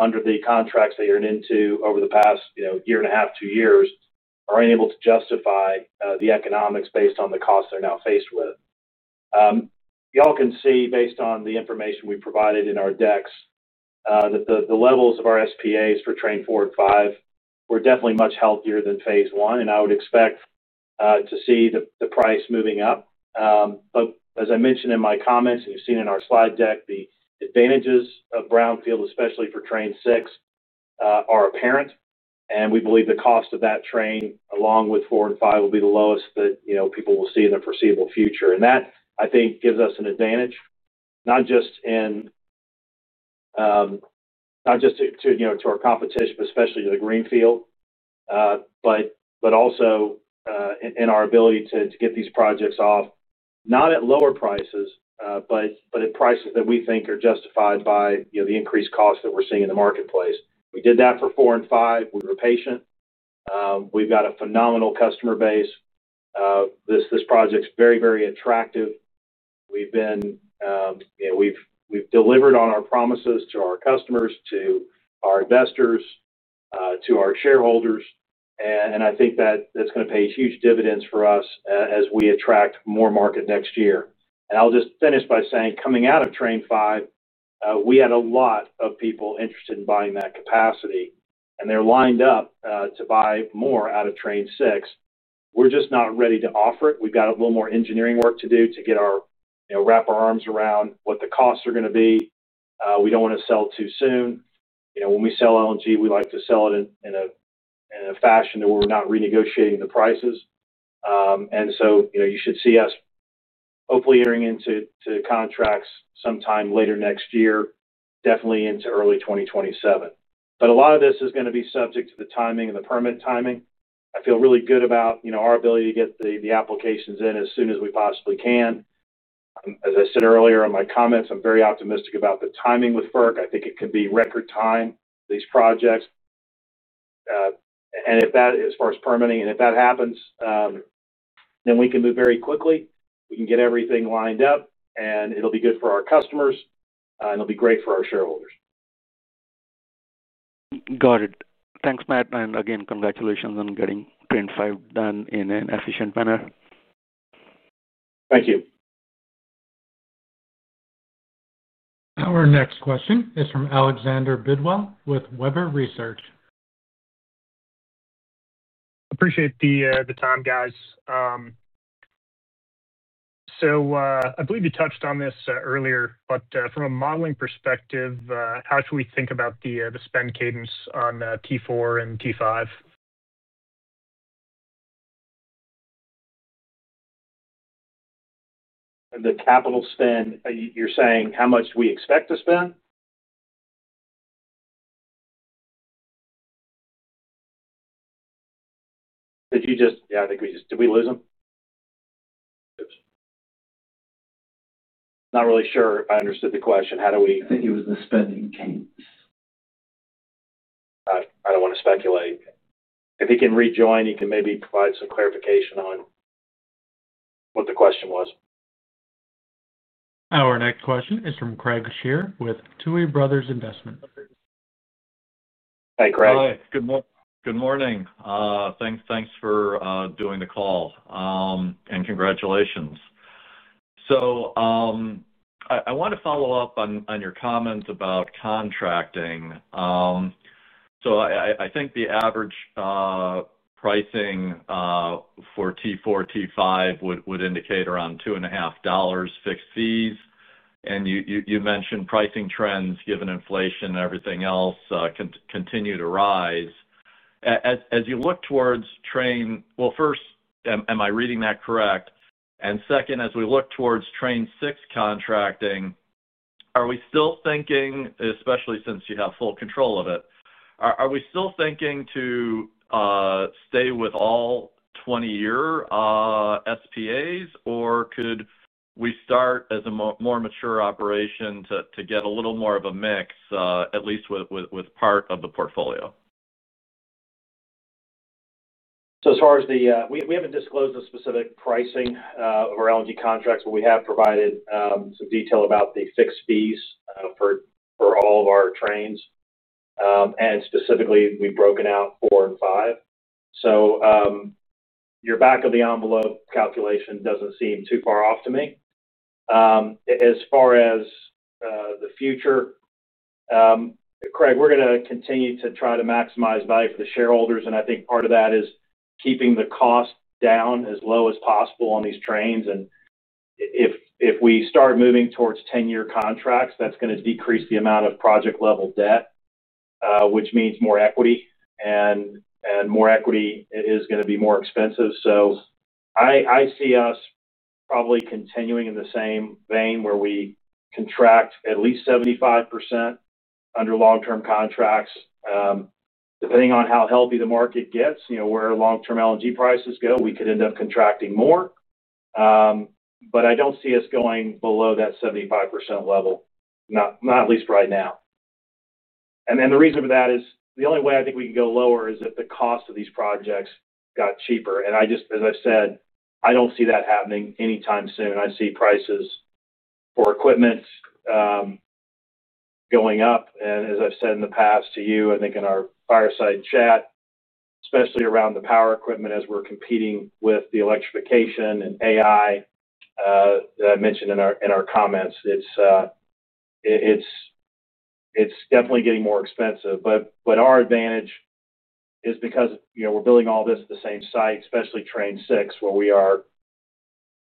under the contracts they entered into over the past year and a half, two years, are unable to justify the economics based on the costs they're now faced with. You all can see, based on the information we provided in our decks, that the levels of our SPA for Train 4 and 5 were definitely much healthier than phase one, and I would expect to see the price moving up. As I mentioned in my comments and you've seen in our slide deck, the advantages of brownfield, especially for Train 6, are apparent, and we believe the cost of that train, along with 4 and 5, will be the lowest that people will see in the foreseeable future. I think that gives us an advantage, not just to our competition, but especially to the greenfield, and also in our ability to get these projects off, not at lower prices, but at prices that we think are justified by the increased costs that we're seeing in the marketplace. We did that for 4 and 5. We were patient. We've got a phenomenal customer base. This project's very, very attractive. We've delivered on our promises to our customers, to our investors, to our shareholders, and I think that that's going to pay huge dividends for us as we attract more market next year. I'll just finish by saying, coming out of Train 5, we had a lot of people interested in buying that capacity, and they're lined up to buy more out of Train 6. We're just not ready to offer it. We've got a little more engineering work to do to get our arms around what the costs are going to be. We don't want to sell too soon. When we sell liquefied natural gas, we like to sell it in a fashion that we're not renegotiating the prices. You should see us hopefully entering into contracts sometime later next year, definitely into early 2027. A lot of this is going to be subject to the timing and the permit timing. I feel really good about our ability to get the applications in as soon as we possibly can. As I said earlier in my comments, I'm very optimistic about the timing with FERC. I think it could be record time for these projects. If that, as far as permitting, and if that happens, then we can move very quickly. We can get everything lined up, and it'll be good for our customers, and it'll be great for our shareholders. Got it. Thanks, Matt. Congratulations on getting Train 5 done in an efficient manner. Thank you. Our next question is from Alexander Bidwell with Webber Research. Appreciate the time, guys. I believe you touched on this earlier, but from a modeling perspective, how should we think about the spend cadence on Train 4 and Train 5? The capital spend, you're saying how much we expect to spend? Did you just, yeah, I think we just, did we lose him? Not really sure if I understood the question. How do we? I think he was in the spending cadence. I don't want to speculate. If he can rejoin, he can maybe provide some clarification on what the question was. Our next question is from Craig Scheer with Two Brothers Investment. Hey, Craig. Hi. Good morning. Thanks for doing the call and congratulations. I want to follow up on your comments about contracting. I think the average pricing for T4, T5 would indicate around $2.5 fixed fees. You mentioned pricing trends, given inflation and everything else, continue to rise. As you look towards Train, am I reading that correct? As we look towards Train 6 contracting, are we still thinking, especially since you have full control of it, are we still thinking to stay with all 20-year SPAs, or could we start as a more mature operation to get a little more of a mix, at least with part of the portfolio? As far as the, we haven't disclosed the specific pricing of our LNG contracts, but we have provided some detail about the fixed fees for all of our Trains, and specifically, we've broken out 4 and 5. Your back-of-the-envelope calculation doesn't seem too far off to me. As far as the future, Craig, we're going to continue to try to maximize value for the shareholders, and I think part of that is keeping the cost down as low as possible on these Trains. If we start moving towards 10-year contracts, that's going to decrease the amount of project-level debt, which means more equity, and more equity is going to be more expensive. I see us probably continuing in the same vein where we contract at least 75% under long-term contracts. Depending on how healthy the market gets, you know, where long-term LNG prices go, we could end up contracting more. I don't see us going below that 75% level, not at least right now. The reason for that is the only way I think we can go lower is if the cost of these projects got cheaper. As I've said, I don't see that happening anytime soon. I see prices for equipment going up. As I've said in the past to you, I think in our fireside chat, especially around the power equipment as we're competing with the electrification and AI that I mentioned in our comments, it's definitely getting more expensive. Our advantage is because we're building all this at the same site, especially Train 6, where we are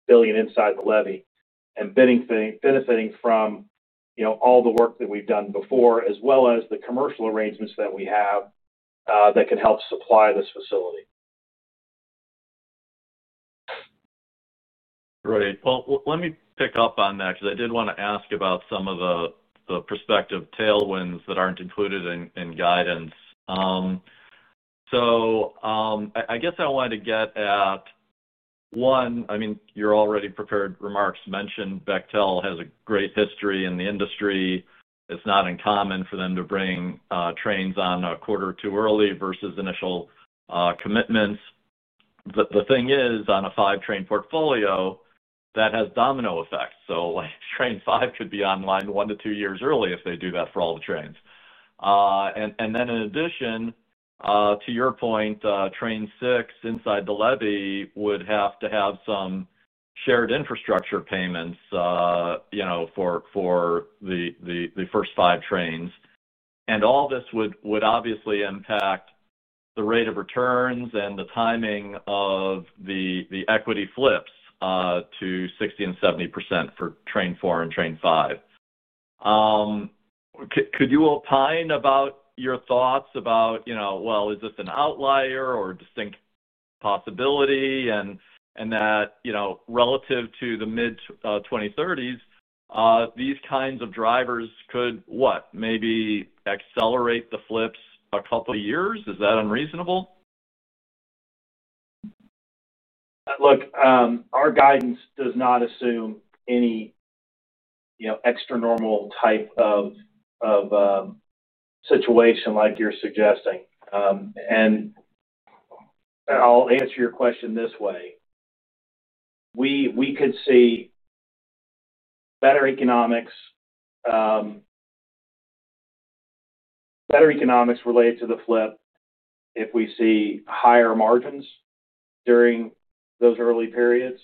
building an inside levy and benefiting from all the work that we've done before, as well as the commercial arrangements that we have that can help supply this facility. Great. Let me pick up on that because I did want to ask about some of the prospective tailwinds that aren't included in guidance. I guess I wanted to get at, one, I mean, your already prepared remarks mentioned Bechtel has a great history in the industry. It's not uncommon for them to bring Trains on a quarter or two early versus initial commitments. The thing is, on a five Train portfolio, that has domino effects. Like Train 5 could be online one to two years early if they do that for all the Trains. In addition to your point, Train 6 inside the levy would have to have some shared infrastructure payments for the first five Trains. All this would obviously impact the rate of returns and the timing of the equity flips to 60% and 70% for Train 4 and Train 5. Could you opine about your thoughts about, you know, is this an outlier or a distinct possibility? Relative to the mid-2030s, these kinds of drivers could, what, maybe accelerate the flips a couple of years? Is that unreasonable? Look, our guidance does not assume any extra normal type of situation like you're suggesting. I'll answer your question this way. We could see better economics related to the flip if we see higher margins during those early periods.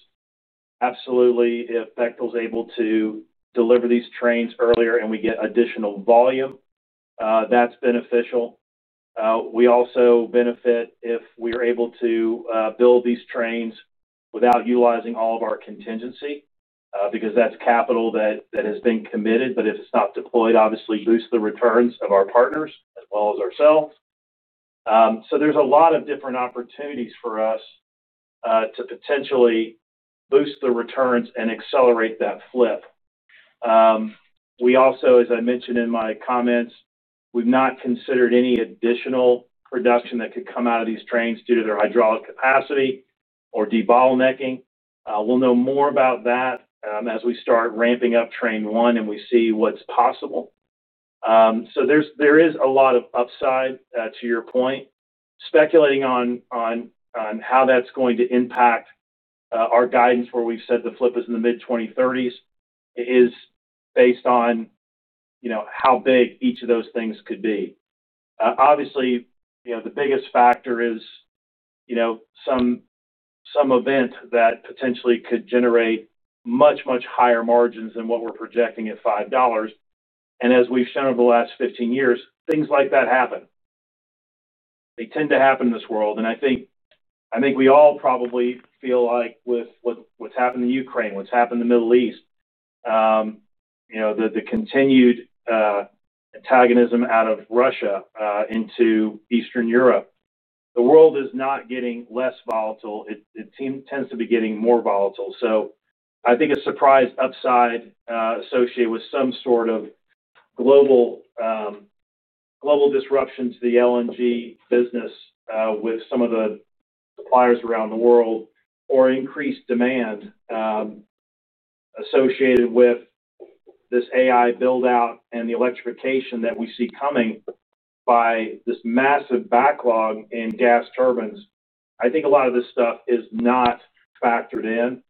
Absolutely, if Bechtel is able to deliver these Trains earlier and we get additional volume, that's beneficial. We also benefit if we're able to build these Trains without utilizing all of our contingency because that's capital that has been committed, but if it's not deployed, it obviously boosts the returns of our partners as well as ourselves. There are a lot of different opportunities for us to potentially boost the returns and accelerate that flip. As I mentioned in my comments, we've not considered any additional production that could come out of these Trains due to their hydraulic capacity or debottlenecking. We'll know more about that as we start ramping up Train 1 and we see what's possible. There is a lot of upside to your point. Speculating on how that's going to impact our guidance, where we've said the flip is in the mid-2030s, is based on how big each of those things could be. Obviously, the biggest factor is some event that potentially could generate much, much higher margins than what we're projecting at $5. As we've shown over the last 15 years, things like that happen. They tend to happen in this world. I think we all probably feel like with what's happened in Ukraine, what's happened in the Middle East, the continued antagonism out of Russia into Eastern Europe, the world is not getting less volatile. It tends to be getting more volatile. I think a surprise upside associated with some sort of global disruption to the LNG business with some of the suppliers around the world or increased demand associated with this AI buildout and the electrification that we see coming by this massive backlog in gas turbines, a lot of this stuff is not factored in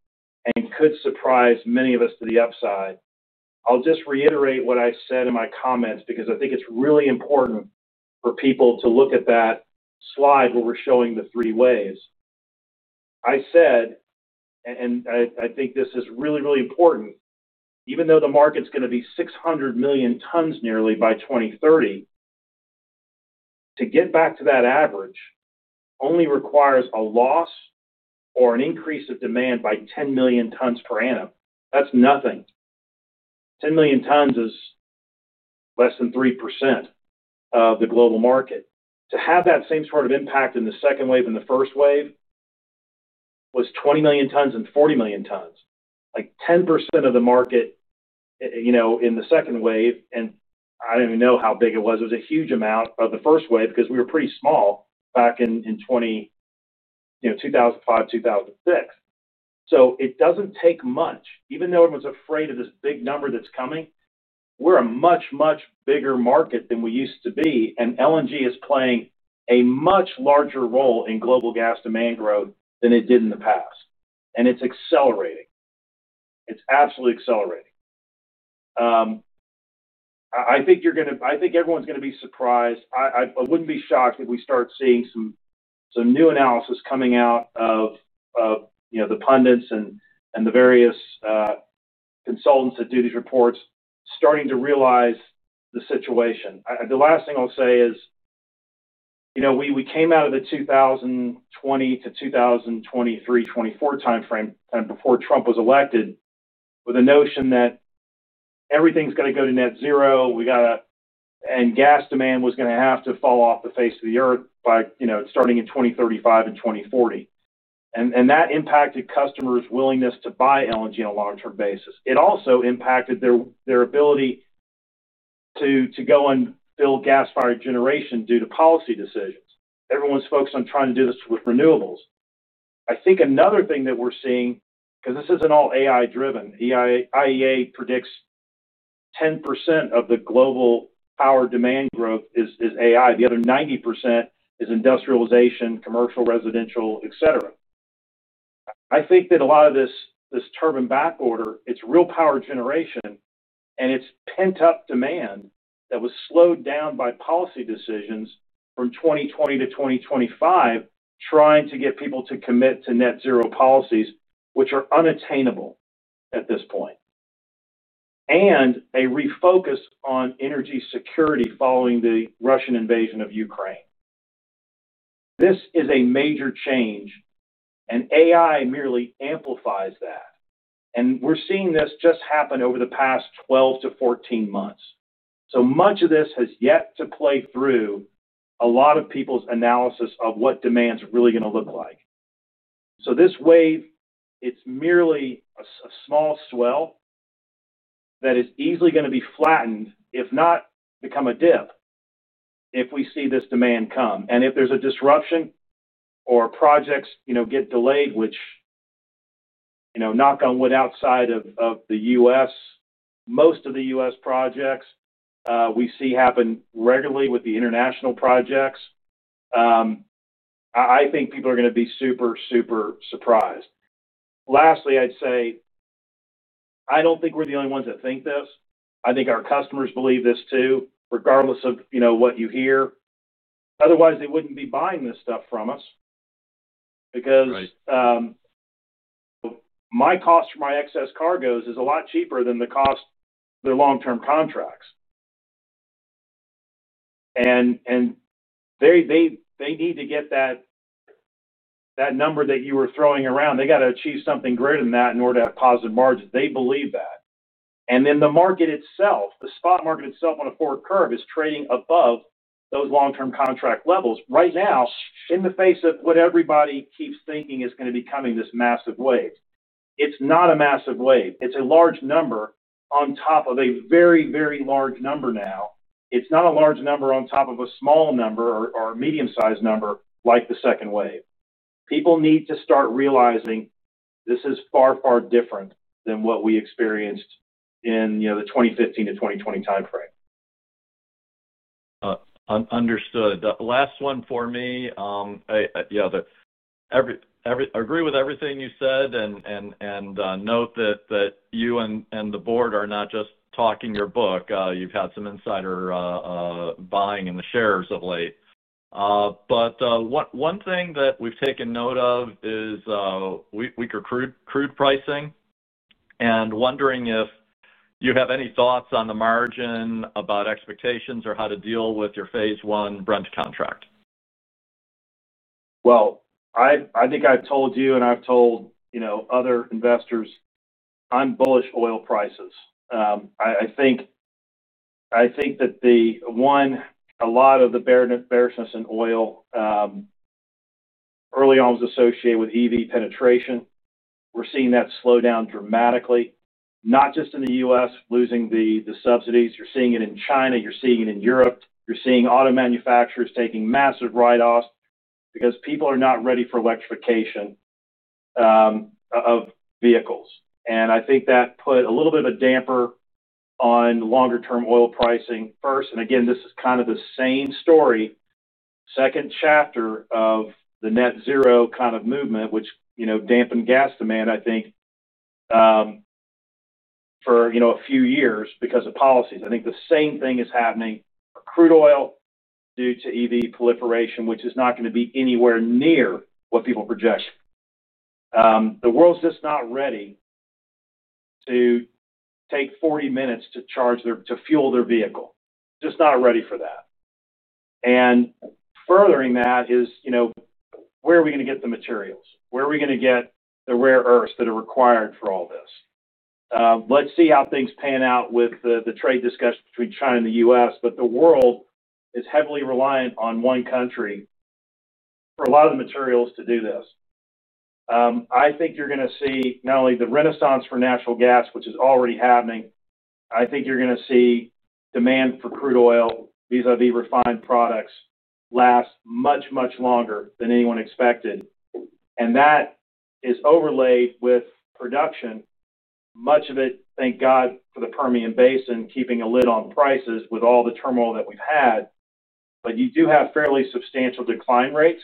and could surprise many of us to the upside. I'll just reiterate what I said in my comments because I think it's really important for people to look at that slide where we're showing the three waves. I said, and I think this is really, really important, even though the market's going to be 600 million tons nearly by 2030, to get back to that average only requires a loss or an increase of demand by 10 million tons per annum. That's nothing. 10 million tons is less than 3% of the global market. To have that same sort of impact in the second wave, and the first wave was 20 million tons and 40 million tons, like 10% of the market, you know, in the second wave, and I don't even know how big it was. It was a huge amount of the first wave because we were pretty small back in 2005, 2006. It doesn't take much. Even though everyone's afraid of this big number that's coming, we're a much, much bigger market than we used to be, and LNG is playing a much larger role in global gas demand growth than it did in the past. It's accelerating. It's absolutely accelerating. I think everyone's going to be surprised. I wouldn't be shocked if we start seeing some new analysis coming out of, you know, the pundits and the various consultants that do these reports starting to realize the situation. The last thing I'll say is, you know, we came out of the 2020 to 2023, 2024 timeframe, time before Trump was elected, with a notion that everything's got to go to net zero, we got to, and gas demand was going to have to fall off the face of the earth by, you know, starting in 2035 and 2040. That impacted customers' willingness to buy liquefied natural gas on a long-term basis. It also impacted their ability to go and build gas-fired generation due to policy decisions. Everyone's focused on trying to do this with renewables. I think another thing that we're seeing, because this isn't all AI-driven, IEA predicts 10% of the global power demand growth is AI. The other 90% is industrialization, commercial, residential, etc. I think that a lot of this turbine backorder, it's real power generation, and it's pent-up demand that was slowed down by policy decisions from 2020 to 2025, trying to get people to commit to net zero policies, which are unattainable at this point, and a refocus on energy security following the Russian invasion of Ukraine. This is a major change, and AI merely amplifies that. We're seeing this just happen over the past 12 to 14 months. Much of this has yet to play through a lot of people's analysis of what demand's really going to look like. This wave, it's merely a small swell that is easily going to be flattened, if not become a dip, if we see this demand come. If there's a disruption or projects, you know, get delayed, which, you know, knock on wood, outside of the U.S., most of the U.S. projects we see happen regularly with the international projects, I think people are going to be super, super surprised. Lastly, I'd say I don't think we're the only ones that think this. I think our customers believe this too, regardless of what you hear. Otherwise, they wouldn't be buying this stuff from us because my cost for my excess cargoes is a lot cheaper than the cost of their long-term contracts. They need to get that number that you were throwing around. They have to achieve something greater than that in order to have a positive margin. They believe that. The market itself, the spot market itself on the forward curve, is trading above those long-term contract levels right now in the face of what everybody keeps thinking is going to be coming, this massive wave. It is not a massive wave. It is a large number on top of a very, very large number now. It is not a large number on top of a small number or a medium-sized number like the second wave. People need to start realizing this is far, far different than what we experienced in the 2015 to 2020 timeframe. Understood. Last one for me. Yeah, I agree with everything you said and note that you and the board are not just talking your book. You've had some insider buying in the shares of late. One thing that we've taken note of is weaker crude pricing and wondering if you have any thoughts on the margin about expectations or how to deal with your phase one Brent contract. I think I've told you and I've told other investors, I'm bullish oil prices. I think that a lot of the bearishness in oil early on was associated with EV penetration. We're seeing that slow down dramatically, not just in the U.S., losing the subsidies. You're seeing it in China. You're seeing it in Europe. You're seeing auto manufacturers taking massive write-offs because people are not ready for electrification of vehicles. I think that put a little bit of a damper on longer-term oil pricing first. This is kind of the same story, second chapter of the net zero kind of movement, which dampened gas demand, I think, for a few years because of policies. I think the same thing is happening for crude oil due to EV proliferation, which is not going to be anywhere near what people project. The world's just not ready to take 40 minutes to charge their, to fuel their vehicle. It's just not ready for that. Furthering that is, where are we going to get the materials? Where are we going to get the rare earths that are required for all this? Let's see how things pan out with the trade discussion between China and the U.S., but the world is heavily reliant on one country for a lot of the materials to do this. I think you're going to see not only the renaissance for natural gas, which is already happening, I think you're going to see demand for crude oil, vis-a-vis refined products, last much, much longer than anyone expected. That is overlaid with production, much of it, thank God, for the Permian Basin keeping a lid on prices with all the turmoil that we've had. You do have fairly substantial decline rates,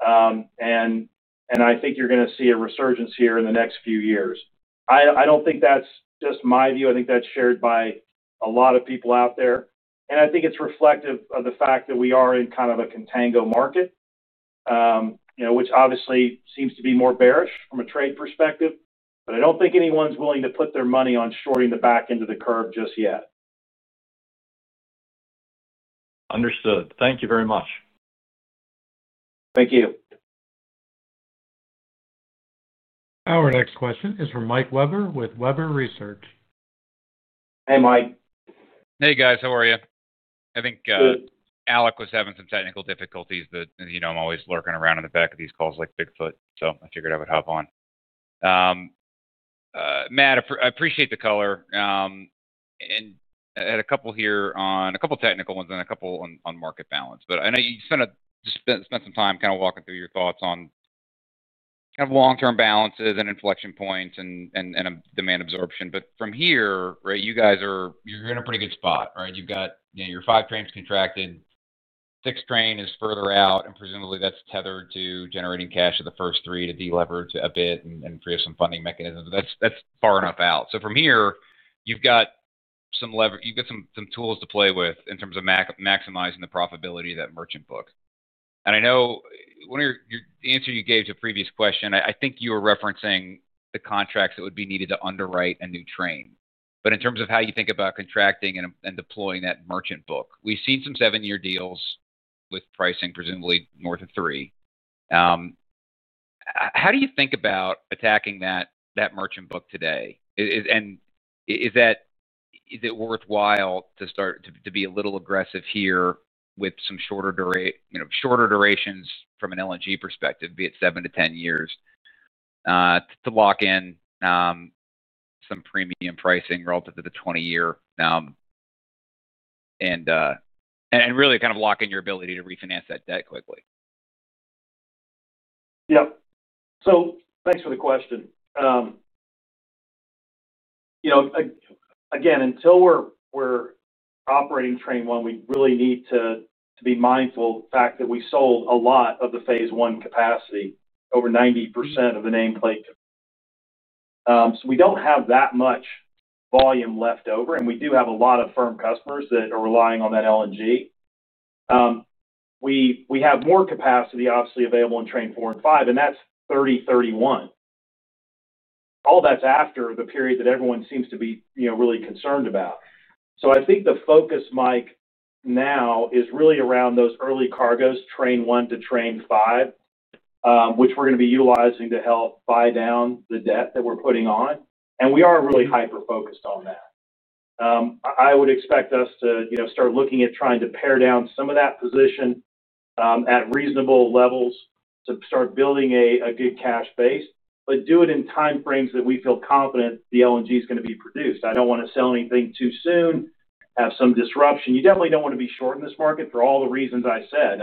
and I think you're going to see a resurgence here in the next few years. I don't think that's just my view. I think that's shared by a lot of people out there. I think it's reflective of the fact that we are in kind of a contango market, which obviously seems to be more bearish from a trade perspective. I don't think anyone's willing to put their money on shorting the back end of the curve just yet. Understood. Thank you very much. Thank you. Our next question is from Mike Weber with Webber Research. Hey, Mike. Hey, guys. How are you? Good. Alec was having some technical difficulties, but you know I'm always lurking around in the back of these calls like Bigfoot, so I figured I would hop on. Matt, I appreciate the color. I had a couple here on a couple of technical ones and a couple on market balance. I know you spent some time kind of walking through your thoughts on kind of long-term balances and inflection points and demand absorption. From here, right, you guys are in a pretty good spot, right? You've got your five Trains contracted. Six Train is further out, and presumably that's tethered to generating cash off the first three to deleverage a bit and free up some funding mechanisms. That's far enough out. From here, you've got some leverage, you've got some tools to play with in terms of maximizing the profitability of that merchant book. I know in one of your answers you gave to a previous question, I think you were referencing the contracts that would be needed to underwrite a new Train. In terms of how you think about contracting and deploying that merchant book, we've seen some seven-year deals with pricing presumably north of $3. How do you think about attacking that merchant book today? Is it worthwhile to start to be a little aggressive here with some shorter durations from an LNG perspective, be it 7 to 10 years, to lock in some premium pricing relative to the 20-year and really kind of lock in your ability to refinance that debt quickly? Yeah. Thanks for the question. Again, until we're operating Train 1, we really need to be mindful of the fact that we sold a lot of the phase I capacity, over 90% of the nameplate. We don't have that much volume left over, and we do have a lot of firm customers that are relying on that LNG. We have more capacity, obviously, available in Train 4 and 5, and that's 2030/2031. All that's after the period that everyone seems to be really concerned about. I think the focus, Mike, now is really around those early cargoes, Train 1 to Train 5, which we're going to be utilizing to help buy down the debt that we're putting on. We are really hyper-focused on that. I would expect us to start looking at trying to pare down some of that position at reasonable levels to start building a good cash base, but do it in timeframes that we feel confident the LNG is going to be produced. I don't want to sell anything too soon, have some disruption. You definitely don't want to be short in this market for all the reasons I said.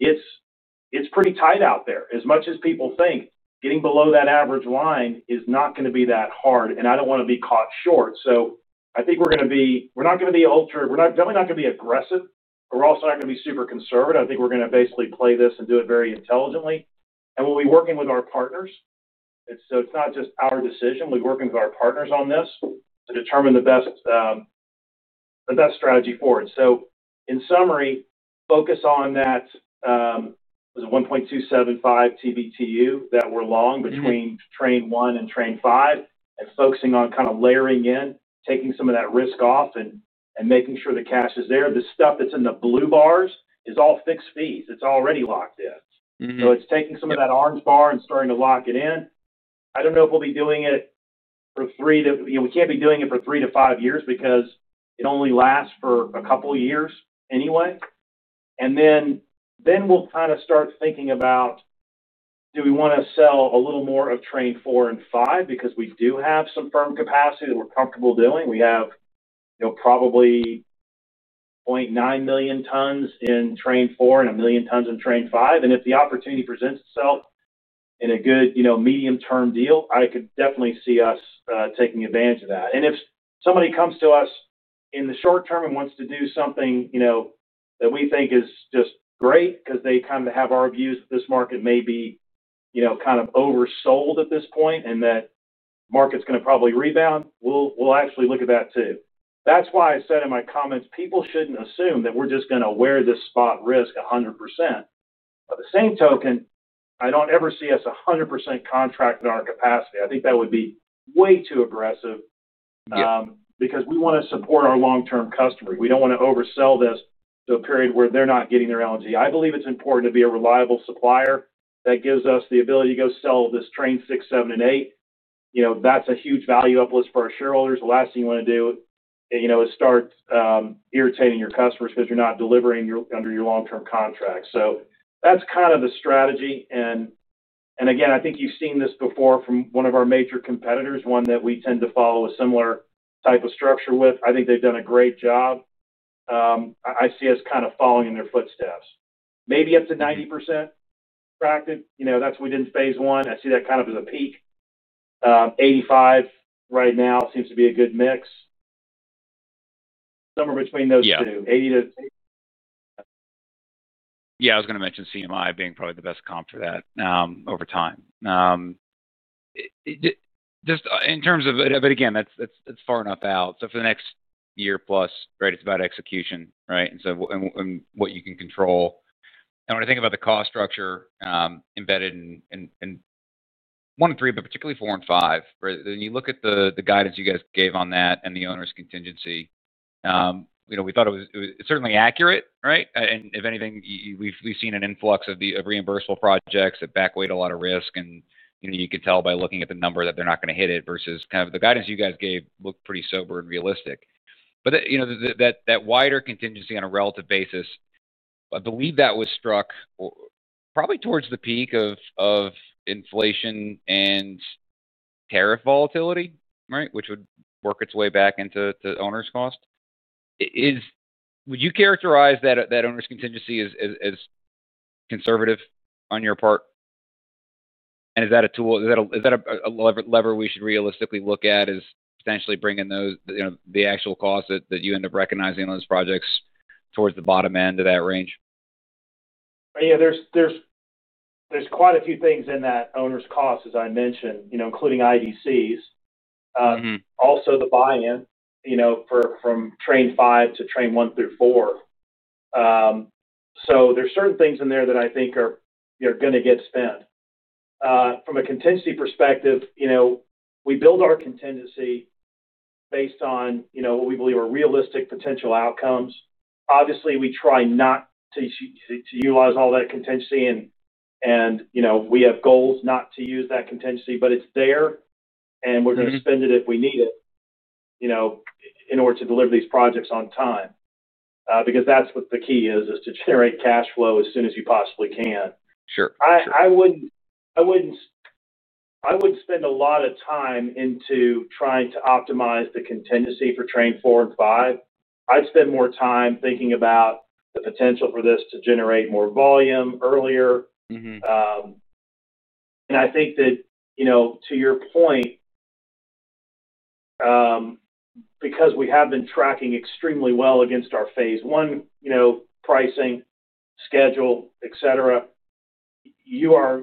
It's pretty tight out there. As much as people think, getting below that average line is not going to be that hard, and I don't want to be caught short. I think we're not going to be ultra, we're definitely not going to be aggressive, but we're also not going to be super conservative. I think we're going to basically play this and do it very intelligently. We'll be working with our partners. It's not just our decision. We're working with our partners on this to determine the best strategy forward. In summary, focus on that, was it 1.275 TBtu that we're long between Train 1 and Train 5 and focusing on kind of layering in, taking some of that risk off and making sure the cash is there. The stuff that's in the blue bars is all fixed fees. It's already locked in. It's taking some of that orange bar and starting to lock it in. I don't know if we'll be doing it for three to, you know, we can't be doing it for three to five years because it only lasts for a couple of years anyway. Then we'll kind of start thinking about, do we want to sell a little more of Train 4 and 5 because we do have some firm capacity that we're comfortable doing? We have probably 0.9 million tons in Train 4 and a million tons in Train 5. If the opportunity presents itself in a good, medium-term deal, I could definitely see us taking advantage of that. If somebody comes to us in the short term and wants to do something that we think is just great because they have our views that this market may be kind of oversold at this point and that the market's going to probably rebound, we'll actually look at that too. That's why I said in my comments, people shouldn't assume that we're just going to wear this spot risk 100%. By the same token, I don't ever see us 100% contracting our capacity. I think that would be way too aggressive because we want to support our long-term customers. We don't want to oversell this to a period where they're not getting their LNG. I believe it's important to be a reliable supplier that gives us the ability to go sell this Train 6, 7, and 8. That's a huge value uplift. Shareholders, The last thing you want to do is start irritating your customers because you're not delivering under your long-term contracts. That's kind of the strategy. I think you've seen this before from one of our major competitors, one that we tend to follow a similar type of structure with. I think they've done a great job. I see us kind of following in their footsteps. Maybe up to 90% contracted, that's what we did in phase one. I see that kind of as a peak. 85% right now seems to be a good mix, somewhere between those two. Yeah. 80 to 80. Yeah. I was going to mention CMI being probably the best comp for that, over time. It just, in terms of it, but again, that's far enough out. For the next year plus, right, it's about execution, right? And what you can control. When I think about the cost structure embedded in one and three, but particularly four and five, right, and you look at the guidance you guys gave on that and the owner's contingency, we thought it was certainly accurate, right? If anything, we've seen an influx of reimbursable projects that back weighed a lot of risk. You could tell by looking at the number that they're not going to hit it versus the guidance you guys gave, which looked pretty sober and realistic. That wider contingency on a relative basis, I believe that was struck probably towards the peak of inflation and the tariff volatility, right, which would work its way back into owner's cost. Would you characterize that owner's contingency as conservative on your part? Is that a tool, is that a lever we should realistically look at as potentially bringing the actual costs that you end up recognizing on those projects towards the bottom end of that range? Yeah, there's quite a few things in that owner's cost, as I mentioned, including IVCs. Mm-hmm. Also the buy-in, you know, from Train 5 to Train 1 through 4. There are certain things in there that I think are, you know, going to get spent. From a contingency perspective, we build our contingency based on what we believe are realistic potential outcomes. Obviously, we try not to utilize all that contingency. We have goals not to use that contingency, but it's there, and we're going to spend it if we need it in order to deliver these projects on time, because that's what the key is, to generate cash flow as soon as you possibly can. Sure. I wouldn't spend a lot of time trying to optimize the contingency for Train 4 and 5. I'd spend more time thinking about the potential for this to generate more volume earlier. Mm-hmm. I think that, you know, to your point, because we have been tracking extremely well against our phase I, you know, pricing, schedule, etc., you are,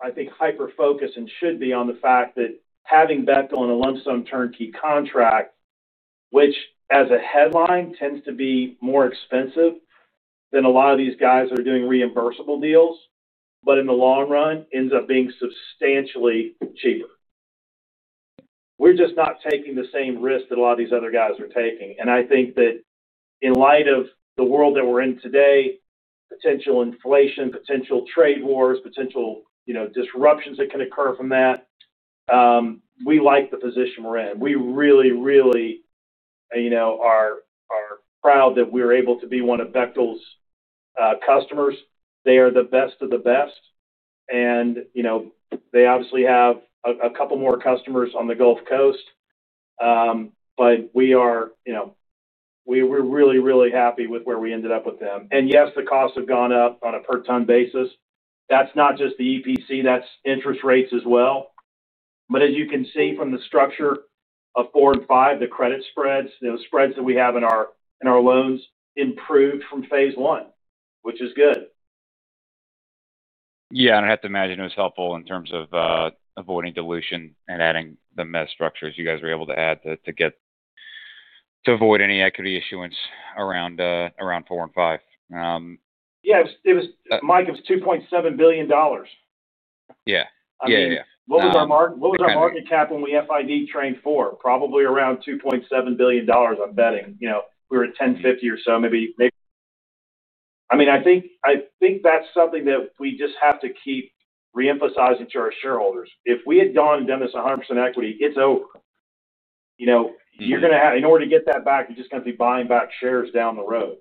I think, hyper-focused and should be on the fact that having Bechtel and a lump-sum turnkey contract, which as a headline tends to be more expensive than a lot of these guys that are doing reimbursable deals, but in the long run, ends up being substantially cheaper. We're just not taking the same risk that a lot of these other guys are taking. I think that in light of the world that we're in today, potential inflation, potential trade wars, potential, you know, disruptions that can occur from that, we like the position we're in. We really, really, you know, are proud that we're able to be one of Bechtel's customers. They are the best of the best. You know, they obviously have a couple more customers on the Gulf Coast. We are, you know, we're really, really happy with where we ended up with them. Yes, the costs have gone up on a per-ton basis. That's not just the EPC. That's interest rates as well. As you can see from the structure of four and five, the credit spreads, you know, spreads that we have in our loans improved from phase I, which is good. I have to imagine it was helpful in terms of avoiding dilution and adding the meta-structures you guys were able to add to get to avoid any equity issuance around four and five. Yeah, it was. Mike, it was $2.7 billion. Yeah. I mean. Yeah, yeah, yeah. What was our market cap when we FID Train 4? Probably around $2.7 billion, I'm betting. You know, we were at $10.50 or so, maybe. I mean, I think that's something that we just have to keep reemphasizing to our shareholders. If we had gone and done this 100% equity, it's over. You know. Yeah. You have to, in order to get that back, you're just going to be buying back shares down the road.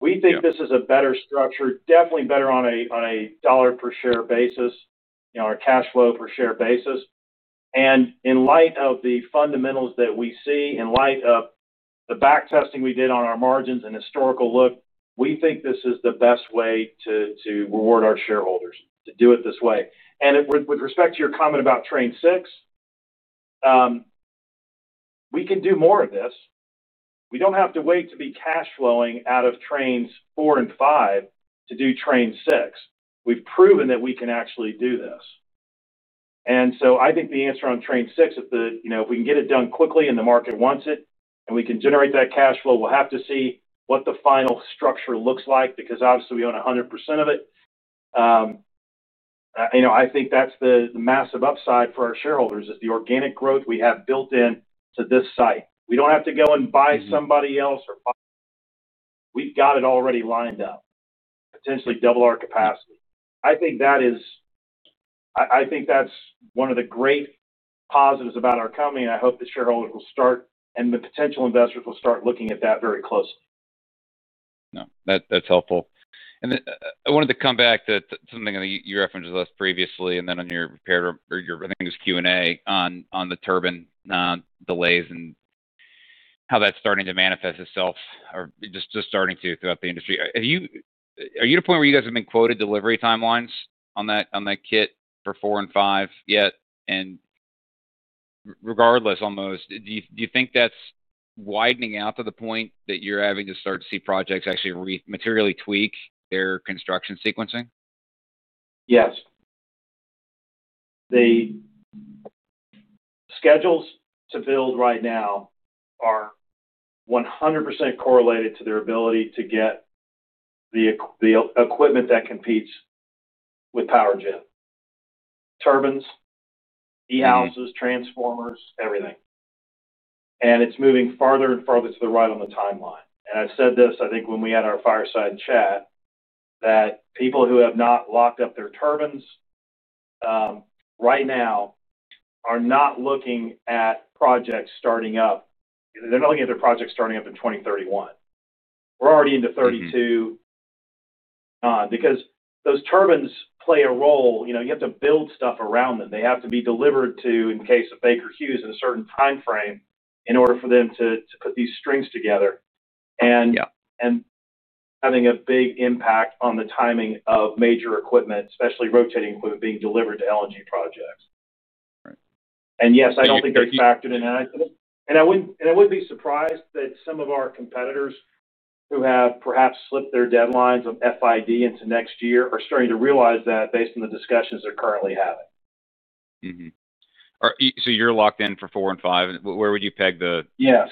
Yeah. We think this is a better structure, definitely better on a dollar per share basis, you know, our cash flow per share basis. In light of the fundamentals that we see, in light of the back testing we did on our margins and historical look, we think this is the best way to reward our shareholders, to do it this way. With respect to your comment about Train 6, we can do more of this. We don't have to wait to be cash flowing out of Trains 4 and 5 to do Train 6. We've proven that we can actually do this. I think the answer on Train 6, if we can get it done quickly and the market wants it, and we can generate that cash flow, we'll have to see what the final structure looks like because obviously we own 100% of it. I think that's the massive upside for our shareholders, the organic growth we have built into this site. We don't have to go and buy somebody else or buy. We've got it already lined up to potentially double our capacity. I think that is, I think that's one of the great positives about our company. I hope the shareholders will start and the potential investors will start looking at that very closely. No, that's helpful. I wanted to come back to something that you referenced to us previously and then on your prepared, or your, I think it was Q and A on the turbine delays and how that's starting to manifest itself or just starting to throughout the industry. Have you, are you to the point where you guys have been quoted delivery timelines on that kit for four and five yet? Regardless almost, do you think that's widening out to the point that you're having to start to see projects actually materially tweak their construction sequencing? Yes. The schedules to build right now are 100% correlated to their ability to get the equipment that competes with PowerJet: turbines, e-houses, transformers, everything. It's moving farther and farther to the right on the timeline. I said this, I think, when we had our fireside chat, that people who have not locked up their turbines right now are not looking at projects starting up. They're not looking at their projects starting up in 2031. We're already into 2032. Yeah. Because those turbines play a role, you know, you have to build stuff around them. They have to be delivered to, in case of Baker Hughes, in a certain timeframe in order for them to put these strings together. Yeah. Having a big impact on the timing of major equipment, especially rotating equipment being delivered to LNG projects. Right. I don't think that's factored in. Yeah. I wouldn't be surprised that some of our competitors who have perhaps slipped their deadlines of FID into next year are starting to realize that based on the discussions they're currently having. Are you locked in for four and five? Where would you peg the— Yes.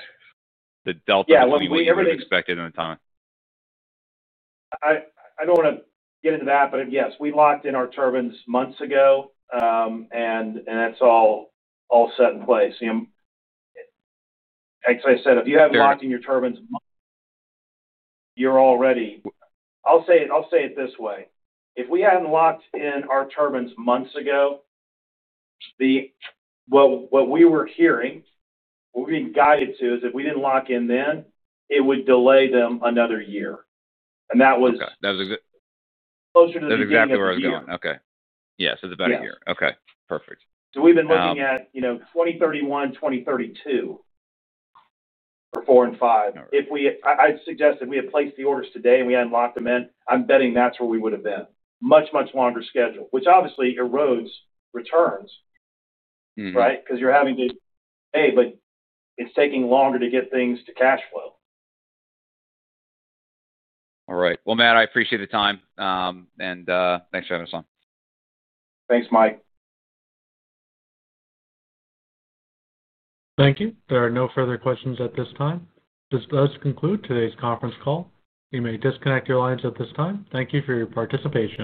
The delta? Yeah, we have everything. What would be expected in the time? I don't want to get into that, but yes, we locked in our turbines months ago, and that's all set in place. Like I said, if you haven't locked in your turbines months ago, you're already, I'll say it this way. If we hadn't locked in our turbines months ago, what we were hearing, what we were being guided to, is if we didn't lock in then, it would delay them another year. That was. Okay, that was ex. Closer to the beginning of the year. Is it better or is it? Yeah. Okay, yeah, so it's about a year. Yeah. Okay. Perfect. We have been looking at. Yeah. You know, 2031, 2032 for four and five. All right. If we had placed the orders today and we hadn't locked them in, I'm betting that's where we would've been. Much, much longer schedule, which obviously erodes returns. Mm-hmm. Right? Because you're having to, but it's taking longer to get things to cash flow. All right. Matt, I appreciate the time, and thanks for having us on. Thanks, Mike. Thank you. There are no further questions at this time. This does conclude today's conference call. You may disconnect your lines at this time. Thank you for your participation.